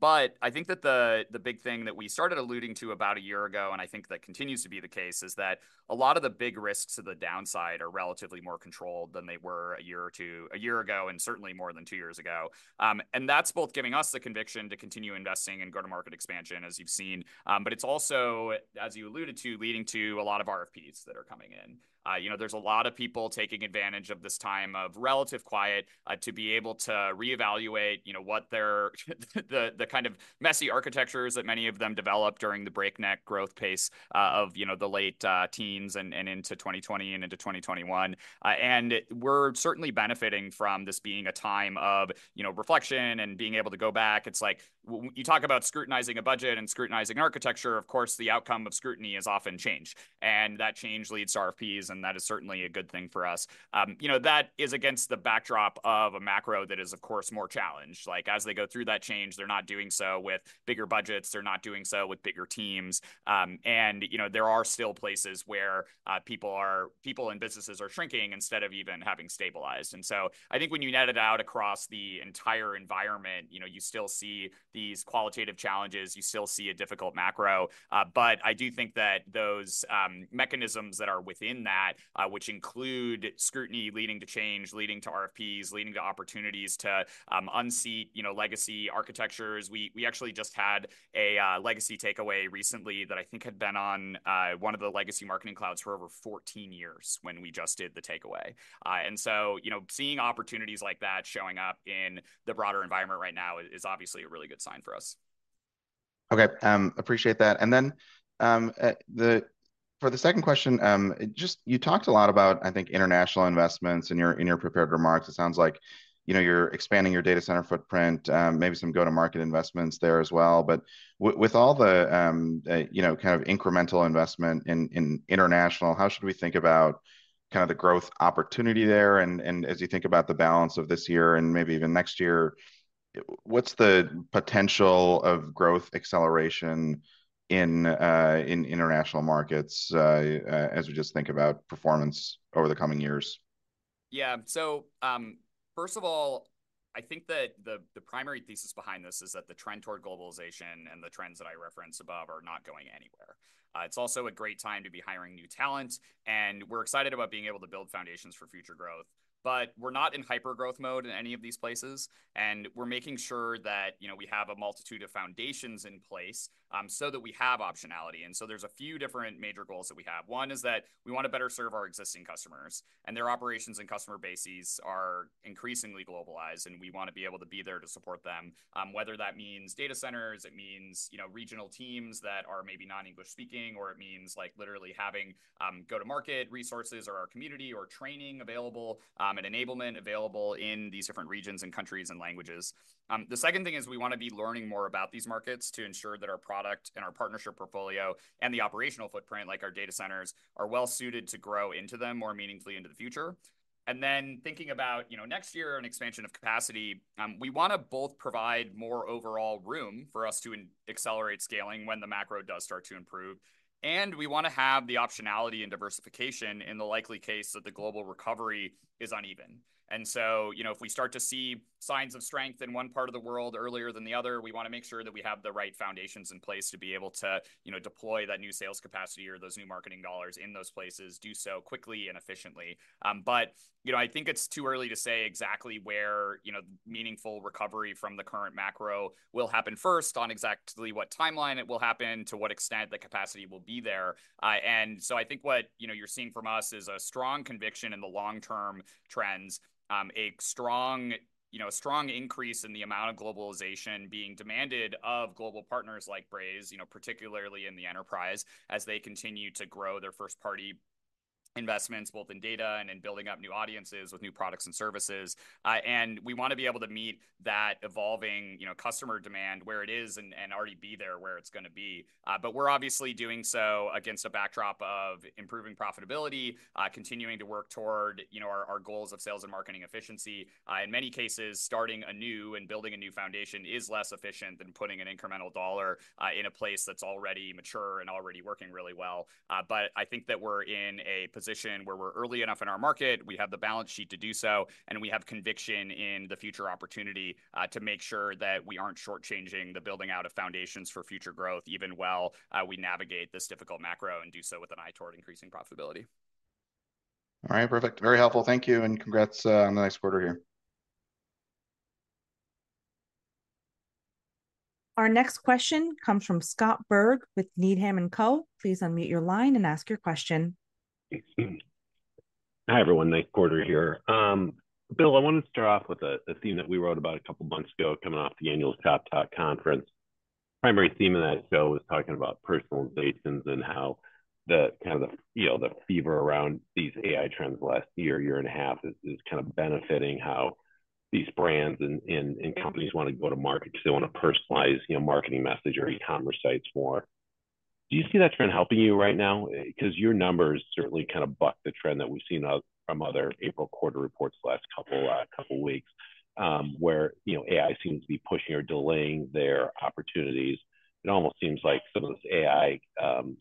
But I think that the big thing that we started alluding to about a year ago, and I think that continues to be the case, is that a lot of the big risks to the downside are relatively more controlled than they were a year or two years ago, and certainly more than two years ago. And that's both giving us the conviction to continue investing in go-to-market expansion, as you've seen, but it's also, as you alluded to, leading to a lot of RFPs that are coming in. You know, there's a lot of people taking advantage of this time of relative quiet to be able to re-evaluate, you know, what their the kind of messy architectures that many of them developed during the breakneck growth pace of, you know, the late teens and into 2020 and into 2021. And we're certainly benefiting from this being a time of, you know, reflection and being able to go back. It's like you talk about scrutinizing a budget and scrutinizing architecture, of course, the outcome of scrutiny is often change, and that change leads to RFPs, and that is certainly a good thing for us. You know, that is against the backdrop of a macro that is, of course, more challenged. Like, as they go through that change, they're not doing so with bigger budgets, they're not doing so with bigger teams. And, you know, there are still places where people and businesses are shrinking instead of even having stabilized. And so I think when you net it out across the entire environment, you know, you still see these qualitative challenges, you still see a difficult macro. But I do think that those mechanisms that are within that, which include scrutiny leading to change, leading to RFPs, leading to opportunities to unseat, you know, legacy architectures. We actually just had a legacy takeaway recently that I think had been on one of the legacy marketing clouds for over 14 years when we just did the takeaway. and so, you know, seeing opportunities like that showing up in the broader environment right now is obviously a really good sign for us. Okay, appreciate that. And then, for the second question, just you talked a lot about, I think, international investments in your, in your prepared remarks. It sounds like, you know, you're expanding your data center footprint, maybe some go-to-market investments there as well. But with all the, you know, kind of incremental investment in, in international, how should we think about kinda the growth opportunity there? And, and as you think about the balance of this year and maybe even next year, what's the potential of growth acceleration in, in international markets, as we just think about performance over the coming years? Yeah. So, first of all, I think that the primary thesis behind this is that the trend toward globalization and the trends that I referenced above are not going anywhere. It's also a great time to be hiring new talent, and we're excited about being able to build foundations for future growth. But we're not in hyper growth mode in any of these places, and we're making sure that, you know, we have a multitude of foundations in place, so that we have optionality. And so there's a few different major goals that we have. One is that we wanna better serve our existing customers, and their operations and customer bases are increasingly globalized, and we wanna be able to be there to support them. Whether that means data centers, it means, you know, regional teams that are maybe non-English speaking, or it means, like, literally having, go-to-market resources, or our community, or training available, and enablement available in these different regions, and countries, and languages. The second thing is we wanna be learning more about these markets to ensure that our product and our partnership portfolio and the operational footprint, like our data centers, are well suited to grow into them more meaningfully into the future. Then, thinking about, you know, next year, an expansion of capacity, we wanna both provide more overall room for us to accelerate scaling when the macro does start to improve, and we wanna have the optionality and diversification in the likely case that the global recovery is uneven. And so, you know, if we start to see signs of strength in one part of the world earlier than the other, we wanna make sure that we have the right foundations in place to be able to, you know, deploy that new sales capacity or those new marketing dollars in those places, do so quickly and efficiently. But, you know, I think it's too early to say exactly where, you know, meaningful recovery from the current macro will happen first, on exactly what timeline it will happen, to what extent the capacity will be there. And so I think what, you know, you're seeing from us is a strong conviction in the long-term trends, a strong, you know, a strong increase in the amount of globalization being demanded of global partners like Braze, you know, particularly in the enterprise, as they continue to grow their first-party investments, both in data and in building up new audiences with new products and services. And we wanna be able to meet that evolving, you know, customer demand where it is and, and already be there where it's gonna be. But we're obviously doing so against a backdrop of improving profitability, continuing to work toward, you know, our, our goals of sales and marketing efficiency. In many cases, starting anew and building a new foundation is less efficient than putting an incremental dollar in a place that's already mature and already working really well. But I think that we're in a position where we're early enough in our market, we have the balance sheet to do so, and we have conviction in the future opportunity to make sure that we aren't short-changing the building out of foundations for future growth, even while we navigate this difficult macro and do so with an eye toward increasing profitability. All right, perfect. Very helpful. Thank you, and congrats, on the nice quarter here. Our next question comes from Scott Berg with Needham & Company. Please unmute your line and ask your question. Hi, everyone, nice quarter here. Bill, I wanted to start off with a theme that we wrote about a couple of months ago coming off the annual Shoptalk Conference. Primary theme of that show was talking about personalizations and how, you know, the fever around these AI trends last year, year and a half is kind of benefiting how these brands and companies wanna go to market 'cause they wanna personalize, you know, marketing message or e-commerce sites more. Do you see that trend helping you right now? 'Cause your numbers certainly kinda buck the trend that we've seen from other April quarter reports the last couple weeks, where, you know, AI seems to be pushing or delaying their opportunities. It almost seems like some of this AI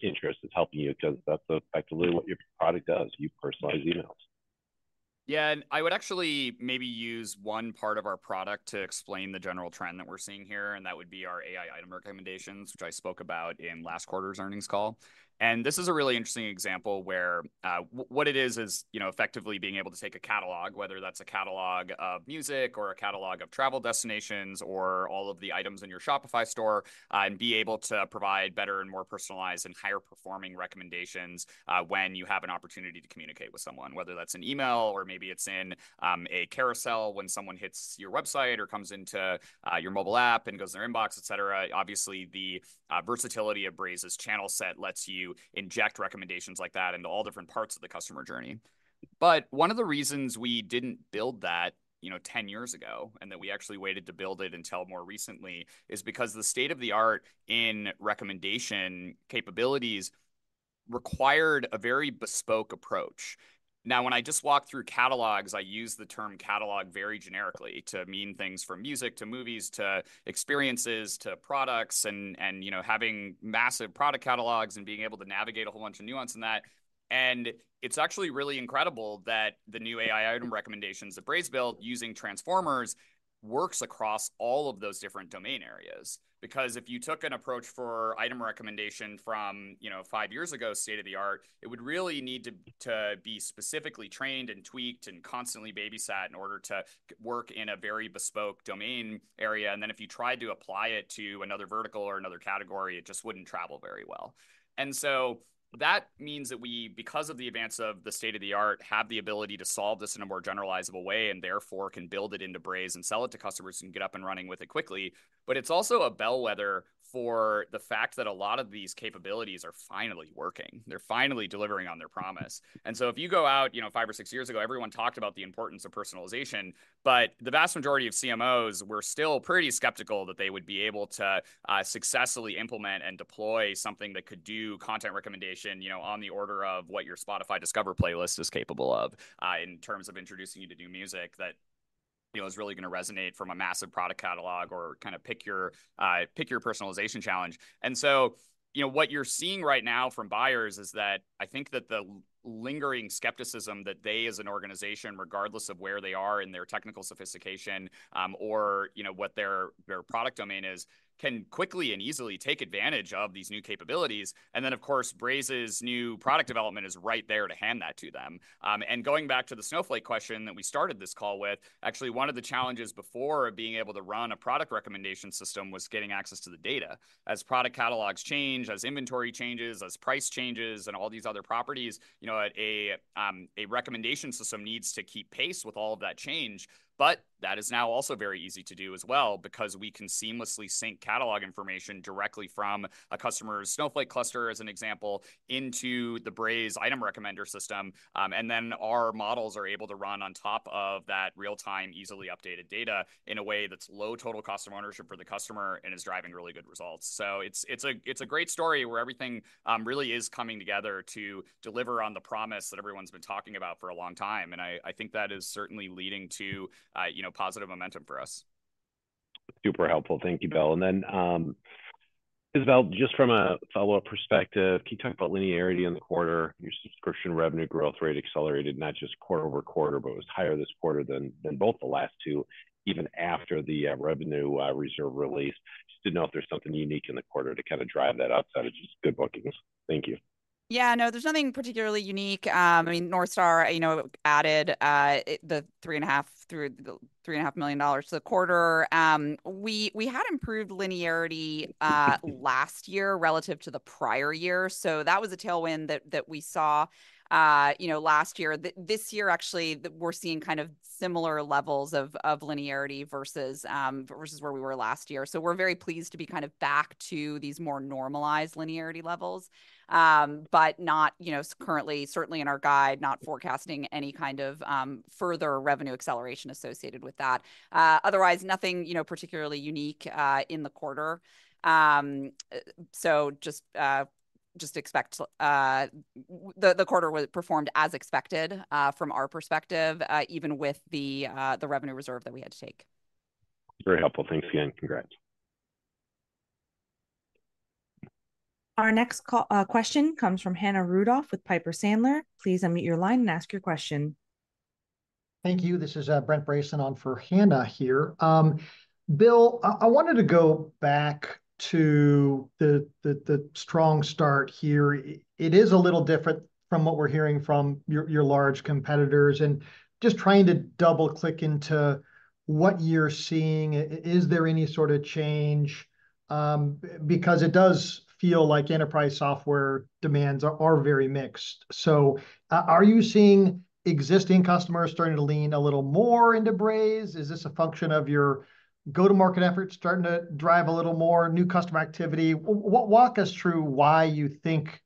interest is helping you, 'cause that's effectively what your product does, you personalize emails. Yeah, and I would actually maybe use one part of our product to explain the general trend that we're seeing here, and that would be our AI Item Recommendations, which I spoke about in last quarter's earnings call. And this is a really interesting example where what it is, is, you know, effectively being able to take a catalog, whether that's a catalog of music or a catalog of travel destinations or all of the items in your Shopify store, and be able to provide better and more personalized and higher performing recommendations, when you have an opportunity to communicate with someone, whether that's an email, or maybe it's in a carousel when someone hits your website or comes into your mobile app and goes to their inbox, et cetera. Obviously, the versatility of Braze's channel set lets you inject recommendations like that into all different parts of the customer journey. But one of the reasons we didn't build that, you know, 10 years ago, and that we actually waited to build it until more recently, is because the state-of-the-art in recommendation capabilities required a very bespoke approach. Now, when I just walk through catalogs, I use the term catalog very generically to mean things from music, to movies, to experiences, to products, and you know, having massive product catalogs and being able to navigate a whole bunch of nuance in that. And it's actually really incredible that the new AI Item Recommendations that Braze built using Transformers works across all of those different domain areas. Because if you took an approach for item recommendation from, you know, five years ago, state-of-the-art, it would really need to be specifically trained and tweaked and constantly babysat in order to work in a very bespoke domain area. And then if you tried to apply it to another vertical or another category, it just wouldn't travel very well. And so that means that we, because of the advance of the state-of-the-art, have the ability to solve this in a more generalizable way, and therefore can build it into Braze and sell it to customers, who can get up and running with it quickly. But it's also a bellwether for the fact that a lot of these capabilities are finally working, they're finally delivering on their promise. So if you go out, you know, five or six years ago, everyone talked about the importance of personalization, but the vast majority of CMOs were still pretty skeptical that they would be able to successfully implement and deploy something that could do content recommendation, you know, on the order of what your Spotify Discover playlist is capable of in terms of introducing you to new music that, you know, is really gonna resonate from a massive product catalog, or kinda pick your, pick your personalization challenge. So, you know, what you're seeing right now from buyers is that I think that the lingering skepticism that they, as an organization, regardless of where they are in their technical sophistication, or, you know, what their, their product domain is, can quickly and easily take advantage of these new capabilities. Then, of course, Braze's new product development is right there to hand that to them. Going back to the Snowflake question that we started this call with, actually, one of the challenges before being able to run a product recommendation system was getting access to the data. As product catalogs change, as inventory changes, as price changes, and all these other properties, you know, a recommendation system needs to keep pace with all of that change, but that is now also very easy to do as well because we can seamlessly sync catalog information directly from a customer's Snowflake cluster, as an example, into the Braze item recommender system. Then our models are able to run on top of that real-time, easily updated data in a way that's low total cost of ownership for the customer and is driving really good results. So it's a great story where everything really is coming together to deliver on the promise that everyone's been talking about for a long time, and I think that is certainly leading to, you know, positive momentum for us. Super helpful. Thank you, Bill. And then, Isabelle, just from a follow-up perspective, can you talk about linearity in the quarter? Your subscription revenue growth rate accelerated, not just quarter-over-quarter, but it was higher this quarter than both the last two, even after the revenue reserve release. Just to know if there's something unique in the quarter to kinda drive that outside of just good bookings. Thank you. Yeah, no, there's nothing particularly unique. I mean, North Star, you know, added it, the $3.5 million to the quarter. We had improved linearity last year relative to the prior year, so that was a tailwind that we saw, you know, last year. This year, actually, we're seeing kind of similar levels of linearity versus where we were last year. So we're very pleased to be kind of back to these more normalized linearity levels. But not, you know, currently, certainly in our guide, not forecasting any kind of further revenue acceleration associated with that. Otherwise, nothing, you know, particularly unique in the quarter. So, just expect the quarter was performed as expected from our perspective, even with the revenue reserve that we had to take. Very helpful. Thanks again. Congrats. Our next call, question comes from Hannah Rudoff with Piper Sandler. Please unmute your line and ask your question. Thank you. This is Brent Bracelin on for Hannah here. Bill, I wanted to go back to the strong start here. It is a little different from what we're hearing from your large competitors, and just trying to double-click into what you're seeing. Is there any sort of change? Because it does feel like enterprise software demands are very mixed. So, are you seeing existing customers starting to lean a little more into Braze? Is this a function of your go-to-market efforts starting to drive a little more new customer activity? Walk us through why you think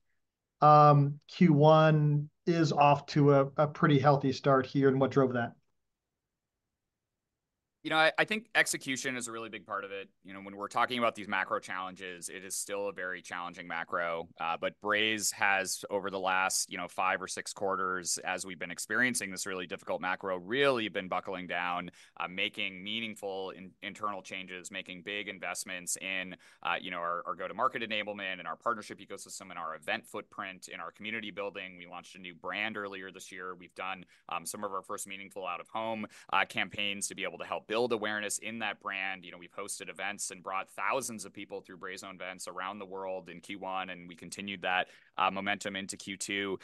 Q1 is off to a pretty healthy start here, and what drove that? You know, I think execution is a really big part of it. You know, when we're talking about these macro challenges, it is still a very challenging macro. But Braze has, over the last, you know, five or six quarters, as we've been experiencing this really difficult macro, really been buckling down, making meaningful internal changes, making big investments in, you know, our, our go-to-market enablement and our partnership ecosystem and our event footprint, in our community building. We launched a new brand earlier this year. We've done some of our first meaningful out-of-home campaigns to be able to help build awareness in that brand. You know, we've hosted events and brought thousands of people through Braze-owned events around the world in Q1, and we continued that momentum into Q2.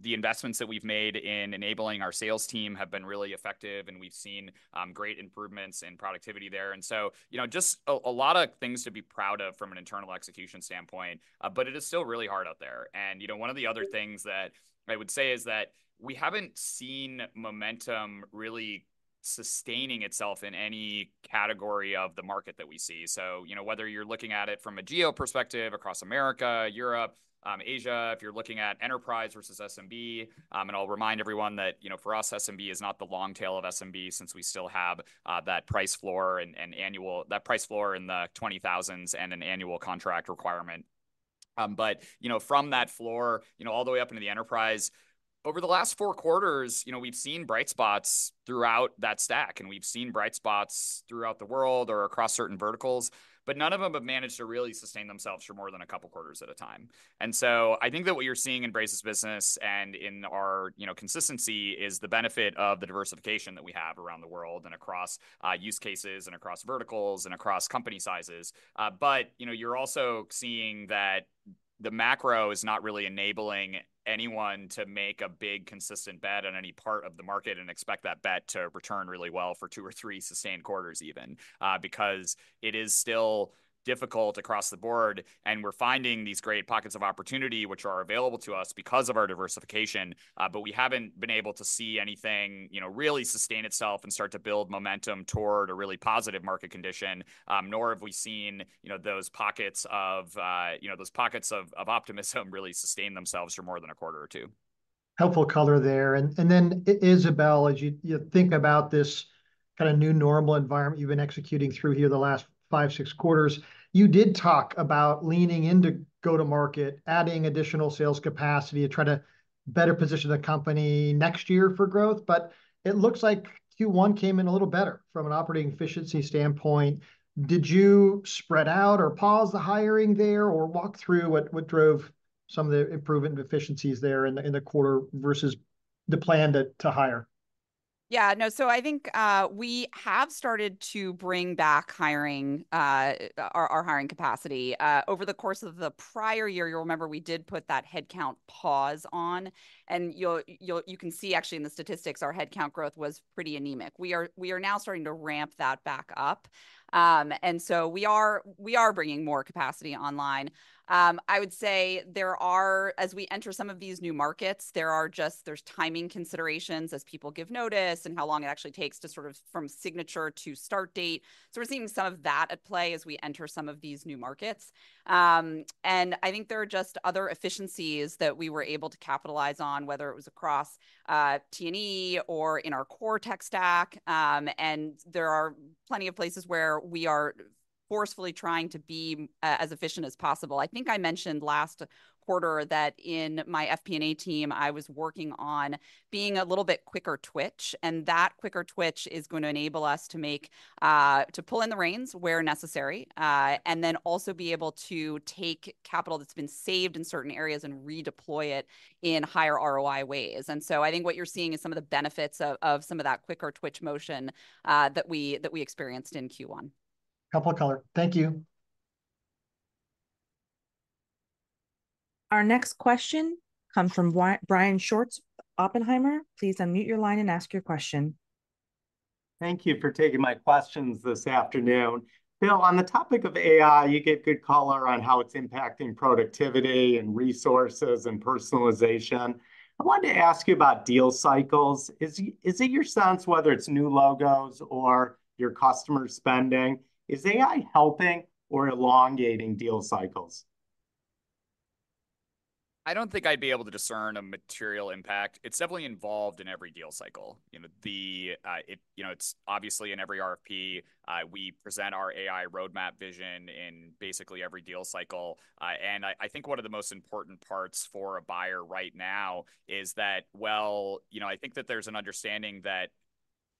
The investments that we've made in enabling our sales team have been really effective, and we've seen great improvements in productivity there. And so, you know, just a lot of things to be proud of from an internal execution standpoint. But it is still really hard out there. And, you know, one of the other things that I would say is that we haven't seen momentum really sustaining itself in any category of the market that we see. So, you know, whether you're looking at it from a geo perspective across America, Europe, Asia, if you're looking at enterprise versus SMB, and I'll remind everyone that, you know, for us, SMB is not the long tail of SMB since we still have that price floor in the $20,000s and an annual contract requirement. But, you know, from that floor, you know, all the way up into the enterprise, over the last four quarters, you know, we've seen bright spots throughout that stack, and we've seen bright spots throughout the world or across certain verticals, but none of them have managed to really sustain themselves for more than a couple quarters at a time. And so I think that what you're seeing in Braze's business and in our, you know, consistency is the benefit of the diversification that we have around the world and across use cases and across verticals and across company sizes. But, you know, you're also seeing that the macro is not really enabling anyone to make a big, consistent bet on any part of the market and expect that bet to return really well for two or three sustained quarters even, because it is still difficult across the board. And we're finding these great pockets of opportunity, which are available to us because of our diversification, but we haven't been able to see anything, you know, really sustain itself and start to build momentum toward a really positive market condition. Nor have we seen, you know, those pockets of optimism really sustain themselves for more than a quarter or two. Helpful color there. And then, Isabelle, as you think about this kind of new normal environment you've been executing through here the last five, six quarters, you did talk about leaning in to go to market, adding additional sales capacity to try to better position the company next year for growth, but it looks like Q1 came in a little better from an operating efficiency standpoint. Did you spread out or pause the hiring there, or walk through what drove some of the improvement in efficiencies there in the quarter versus the plan to hire? Yeah, no, so I think we have started to bring back hiring, our hiring capacity. Over the course of the prior year, you'll remember we did put that headcount pause on, and you can see actually in the statistics, our headcount growth was pretty anemic. We are now starting to ramp that back up. And so we are bringing more capacity online. I would say there are, as we enter some of these new markets, there are just timing considerations as people give notice and how long it actually takes to sort of from signature to start date. So we're seeing some of that at play as we enter some of these new markets. And I think there are just other efficiencies that we were able to capitalize on, whether it was across TNE or in our core tech stack. And there are plenty of places where we are forcefully trying to be as efficient as possible. I think I mentioned last quarter that in my FP&A team, I was working on being a little bit quicker twitch, and that quicker twitch is going to enable us to make to pull in the reins where necessary and then also be able to take capital that's been saved in certain areas and redeploy it in higher ROI ways. And so I think what you're seeing is some of the benefits of, of some of that quicker twitch motion that we, that we experienced in Q1. Helpful color. Thank you. Our next question comes from Brian Schwartz, Oppenheimer. Please unmute your line and ask your question. Thank you for taking my questions this afternoon. Bill, on the topic of AI, you gave good color on how it's impacting productivity and resources and personalization. I wanted to ask you about deal cycles. Is it your sense, whether it's new logos or your customer spending, is AI helping or elongating deal cycles? I don't think I'd be able to discern a material impact. It's definitely involved in every deal cycle. You know, it's obviously in every RFP. We present our AI roadmap vision in basically every deal cycle. And I think one of the most important parts for a buyer right now is that, well, you know, I think that there's an understanding that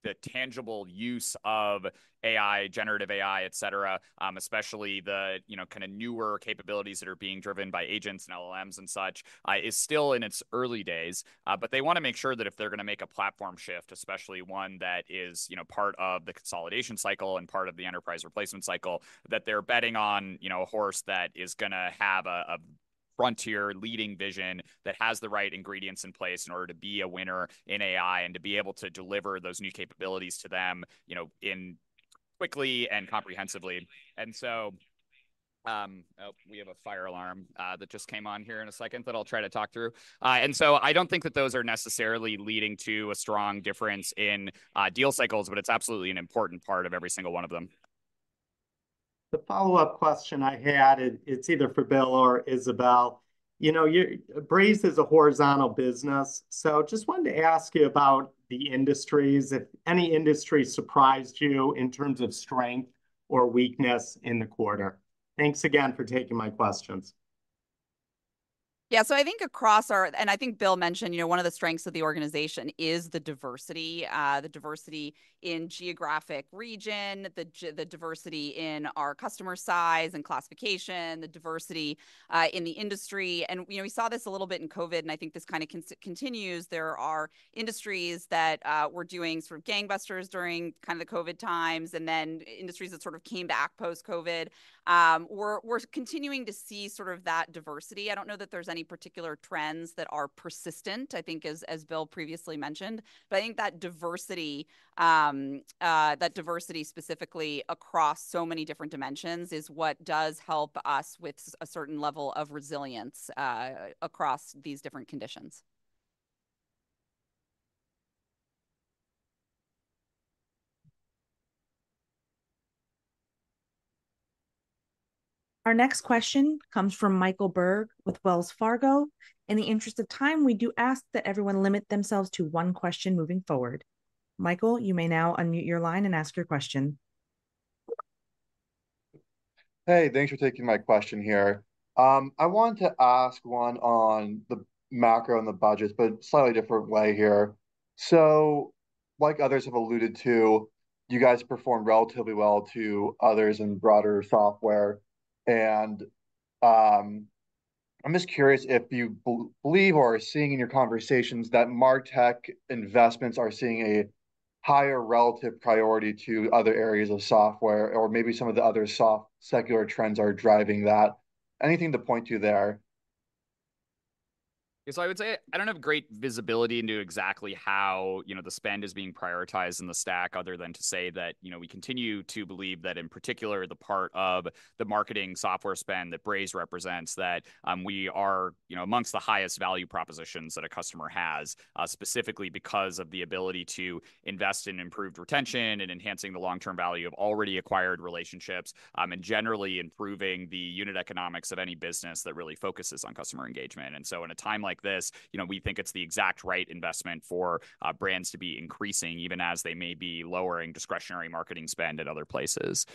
the tangible use of AI, generative AI, et cetera, especially the, you know, kind of newer capabilities that are being driven by agents and LLMs and such, is still in its early days. But they wanna make sure that if they're gonna make a platform shift, especially one that is, you know, part of the consolidation cycle and part of the enterprise replacement cycle, that they're betting on, you know, a horse that is gonna have a, a frontier-leading vision, that has the right ingredients in place in order to be a winner in AI, and to be able to deliver those new capabilities to them, you know, in- quickly and comprehensively. Oh, we have a fire alarm, that just came on here in a second that I'll try to talk through. I don't think that those are necessarily leading to a strong difference in deal cycles, but it's absolutely an important part of every single one of them. The follow-up question I had, it's either for Bill or Isabelle. You know, Braze is a horizontal business, so just wanted to ask you about the industries, if any industry surprised you in terms of strength or weakness in the quarter. Thanks again for taking my questions. Yeah, so I think across our, and I think Bill mentioned, you know, one of the strengths of the organization is the diversity, the diversity in geographic region, the diversity in our customer size and classification, the diversity in the industry. And, you know, we saw this a little bit in COVID, and I think this continues. There are industries that were doing sort of gangbusters during kind of the COVID times, and then industries that sort of came back post-COVID. We're continuing to see sort of that diversity. I don't know that there's any particular trends that are persistent, I think as Bill previously mentioned, but I think that diversity, that diversity specifically across so many different dimensions is what does help us with a certain level of resilience across these different conditions. Our next question comes from Michael Berg with Wells Fargo. In the interest of time, we do ask that everyone limit themselves to one question moving forward. Michael, you may now unmute your line and ask your question. Hey, thanks for taking my question here. I wanted to ask one on the macro and the budgets, but slightly different way here. So like others have alluded to, you guys performed relatively well to others in broader software, and, I'm just curious if you believe or are seeing in your conversations that martech investments are seeing a higher relative priority to other areas of software, or maybe some of the other soft secular trends are driving that. Anything to point to there? Yeah, so I would say, I don't have great visibility into exactly how, you know, the spend is being prioritised in the stack, other than to say that, you know, we continue to believe that, in particular, the part of the marketing software spend that Braze represents, that we are, you know, amongst the highest value propositions that a customer has, specifically because of the ability to invest in improved retention and enhancing the long-term value of already acquired relationships, and generally improving the unit economics of any business that really focuses on customer engagement. And so in a time like this, you know, we think it's the exact right investment for brands to be increasing, even as they may be lowering discretionary marketing spend at other places.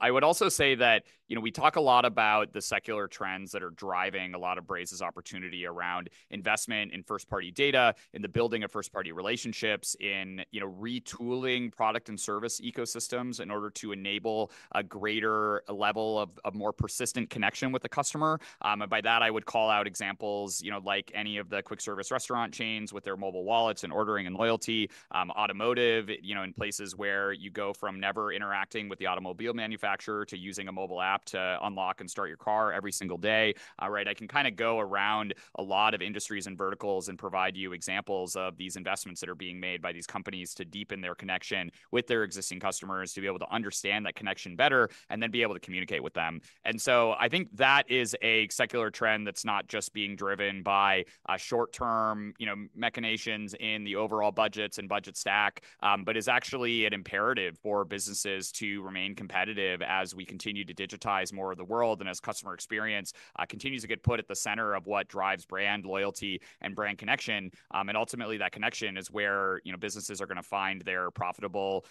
I would also say that, you know, we talk a lot about the secular trends that are driving a lot of Braze's opportunity around investment in first-party data, in the building of first-party relationships, in, you know, retooling product and service ecosystems in order to enable a greater level of more persistent connection with the customer. By that I would call out examples, you know, like any of the quick service restaurant chains with their mobile wallets and ordering and loyalty, automotive, you know, in places where you go from never interacting with the automobile manufacturer to using a mobile app to unlock and start your car every single day. Right, I can kind of go around a lot of industries and verticals and provide you examples of these investments that are being made by these companies to deepen their connection with their existing customers, to be able to understand that connection better, and then be able to communicate with them. And so I think that is a secular trend that's not just being driven by short-term, you know, machinations in the overall budgets and budget stack, but is actually an imperative for businesses to remain competitive as we continue to digitize more of the world, and as customer experience continues to get put at the center of what drives brand loyalty and brand connection. And ultimately, that connection is where, you know, businesses are gonna find their profitable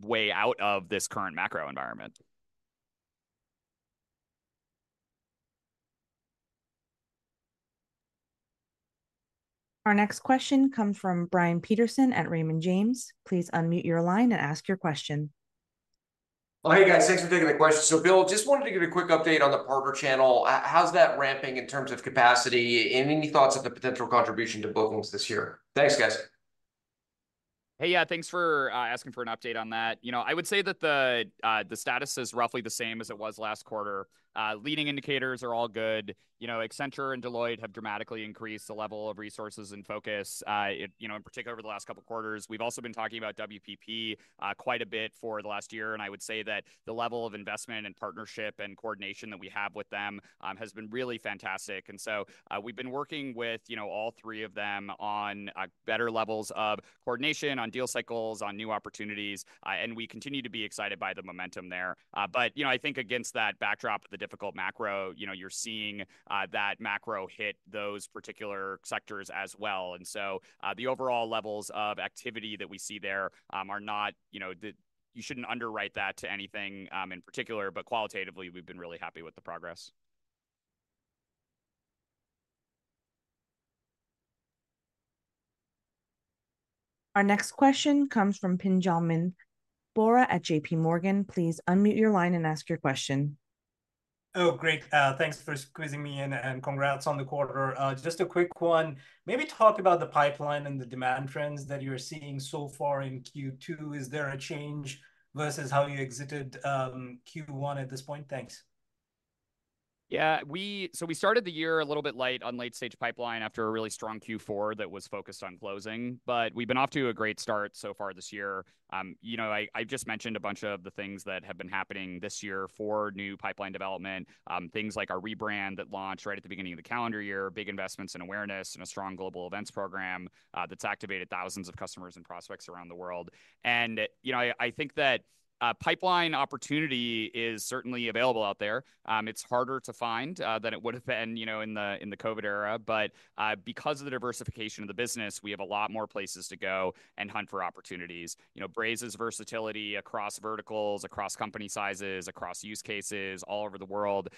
way out of this current macro environment. Our next question comes from Brian Peterson at Raymond James. Please unmute your line and ask your question. Well, hey, guys. Thanks for taking the question. So, Bill, just wanted to get a quick update on the partner channel. How's that ramping in terms of capacity? And any thoughts on the potential contribution to bookings this year? Thanks, guys. Hey, yeah, thanks for asking for an update on that. You know, I would say that the status is roughly the same as it was last quarter. Leading indicators are all good. You know, Accenture and Deloitte have dramatically increased the level of resources and focus, you know, in particular over the last couple of quarters. We've also been talking about WPP quite a bit for the last year, and I would say that the level of investment and partnership and coordination that we have with them has been really fantastic. And so, we've been working with, you know, all three of them on better levels of coordination, on deal cycles, on new opportunities, and we continue to be excited by the momentum there. But, you know, I think against that backdrop of the difficult macro, you know, you're seeing that macro hit those particular sectors as well. And so, the overall levels of activity that we see there are not, you know, you shouldn't underwrite that to anything in particular, but qualitatively, we've been really happy with the progress. Our next question comes from Pinjalim Bora at JP Morgan. Please unmute your line and ask your question. Oh, great. Thanks for squeezing me in, and congrats on the quarter. Just a quick one, maybe talk about the pipeline and the demand trends that you're seeing so far in Q2. Is there a change versus how you exited Q1 at this point? Thanks. Yeah, so we started the year a little bit light on late-stage pipeline after a really strong Q4 that was focused on closing. But we've been off to a great start so far this year. You know, I just mentioned a bunch of the things that have been happening this year for new pipeline development, things like our rebrand that launched right at the beginning of the calendar year, big investments in awareness, and a strong global events program that's activated thousands of customers and prospects around the world. And, you know, I think that pipeline opportunity is certainly available out there. It's harder to find than it would've been, you know, in the COVID era. But because of the diversification of the business, we have a lot more places to go and hunt for opportunities. You know, Braze's versatility across verticals, across company sizes, across use cases, all over the world,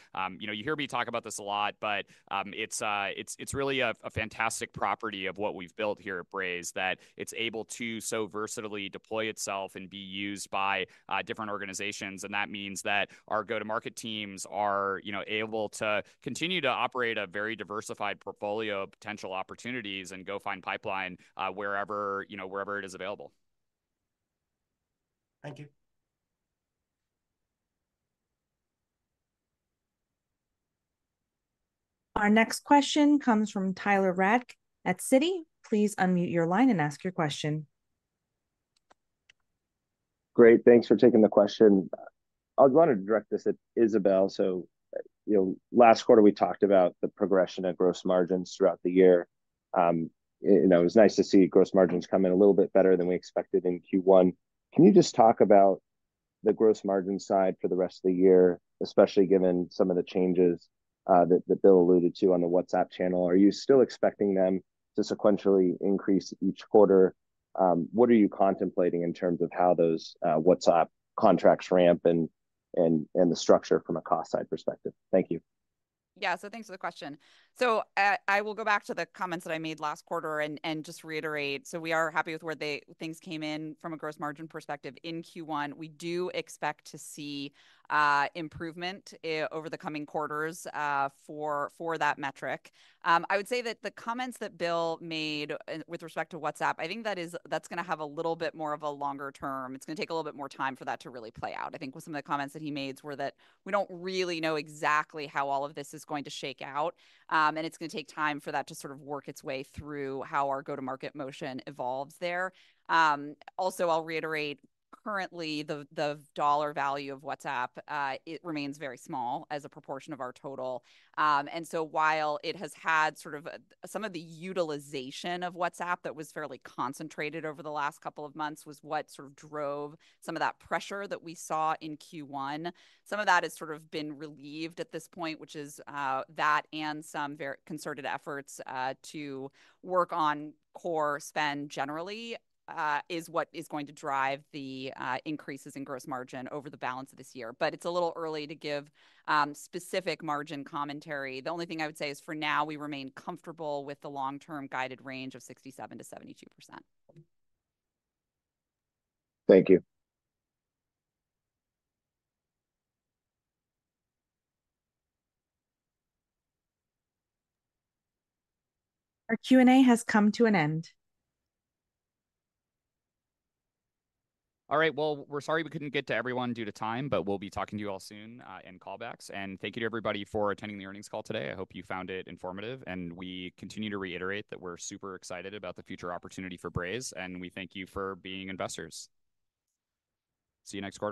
you know, you hear me talk about this a lot, but, it's really a fantastic property of what we've built here at Braze, that it's able to so versatilely deploy itself and be used by different organizations. And that means that our go-to-market teams are, you know, able to continue to operate a very diversified portfolio of potential opportunities and go find pipeline, wherever, you know, wherever it is available. Thank you. Our next question comes from Tyler Radke at Citi. Please unmute your line and ask your question. Great, thanks for taking the question. I wanted to direct this at Isabelle. So, you know, last quarter, we talked about the progression of gross margins throughout the year. And, you know, it was nice to see gross margins come in a little bit better than we expected in Q1. Can you just talk about the gross margin side for the rest of the year, especially given some of the changes that Bill alluded to on the WhatsApp channel? Are you still expecting them to sequentially increase each quarter? What are you contemplating in terms of how those WhatsApp contracts ramp, and the structure from a cost side perspective? Thank you. Yeah. So thanks for the question. So, I will go back to the comments that I made last quarter and just reiterate, so we are happy with where things came in from a gross margin perspective in Q1. We do expect to see improvement over the coming quarters for that metric. I would say that the comments that Bill made with respect to WhatsApp, I think that's gonna have a little bit more of a longer term. It's gonna take a little bit more time for that to really play out. I think with some of the comments that he made were that we don't really know exactly how all of this is going to shake out, and it's gonna take time for that to sort of work its way through how our go-to-market motion evolves there. Also, I'll reiterate, currently, the dollar value of WhatsApp, it remains very small as a proportion of our total. And so while it has had sort of some of the utilization of WhatsApp that was fairly concentrated over the last couple of months was what sort of drove some of that pressure that we saw in Q1. Some of that has sort of been relieved at this point, which is that and some very concerted efforts to work on core spend generally is what is going to drive the increases in gross margin over the balance of this year. But it's a little early to give specific margin commentary. The only thing I would say is, for now, we remain comfortable with the long-term guided range of 67%-72%. Thank you. Our Q&A has come to an end. All right. Well, we're sorry we couldn't get to everyone due to time, but we'll be talking to you all soon in callbacks. Thank you to everybody for attending the earnings call today. I hope you found it informative, and we continue to reiterate that we're super excited about the future opportunity for Braze, and we thank you for being investors. See you next quarter.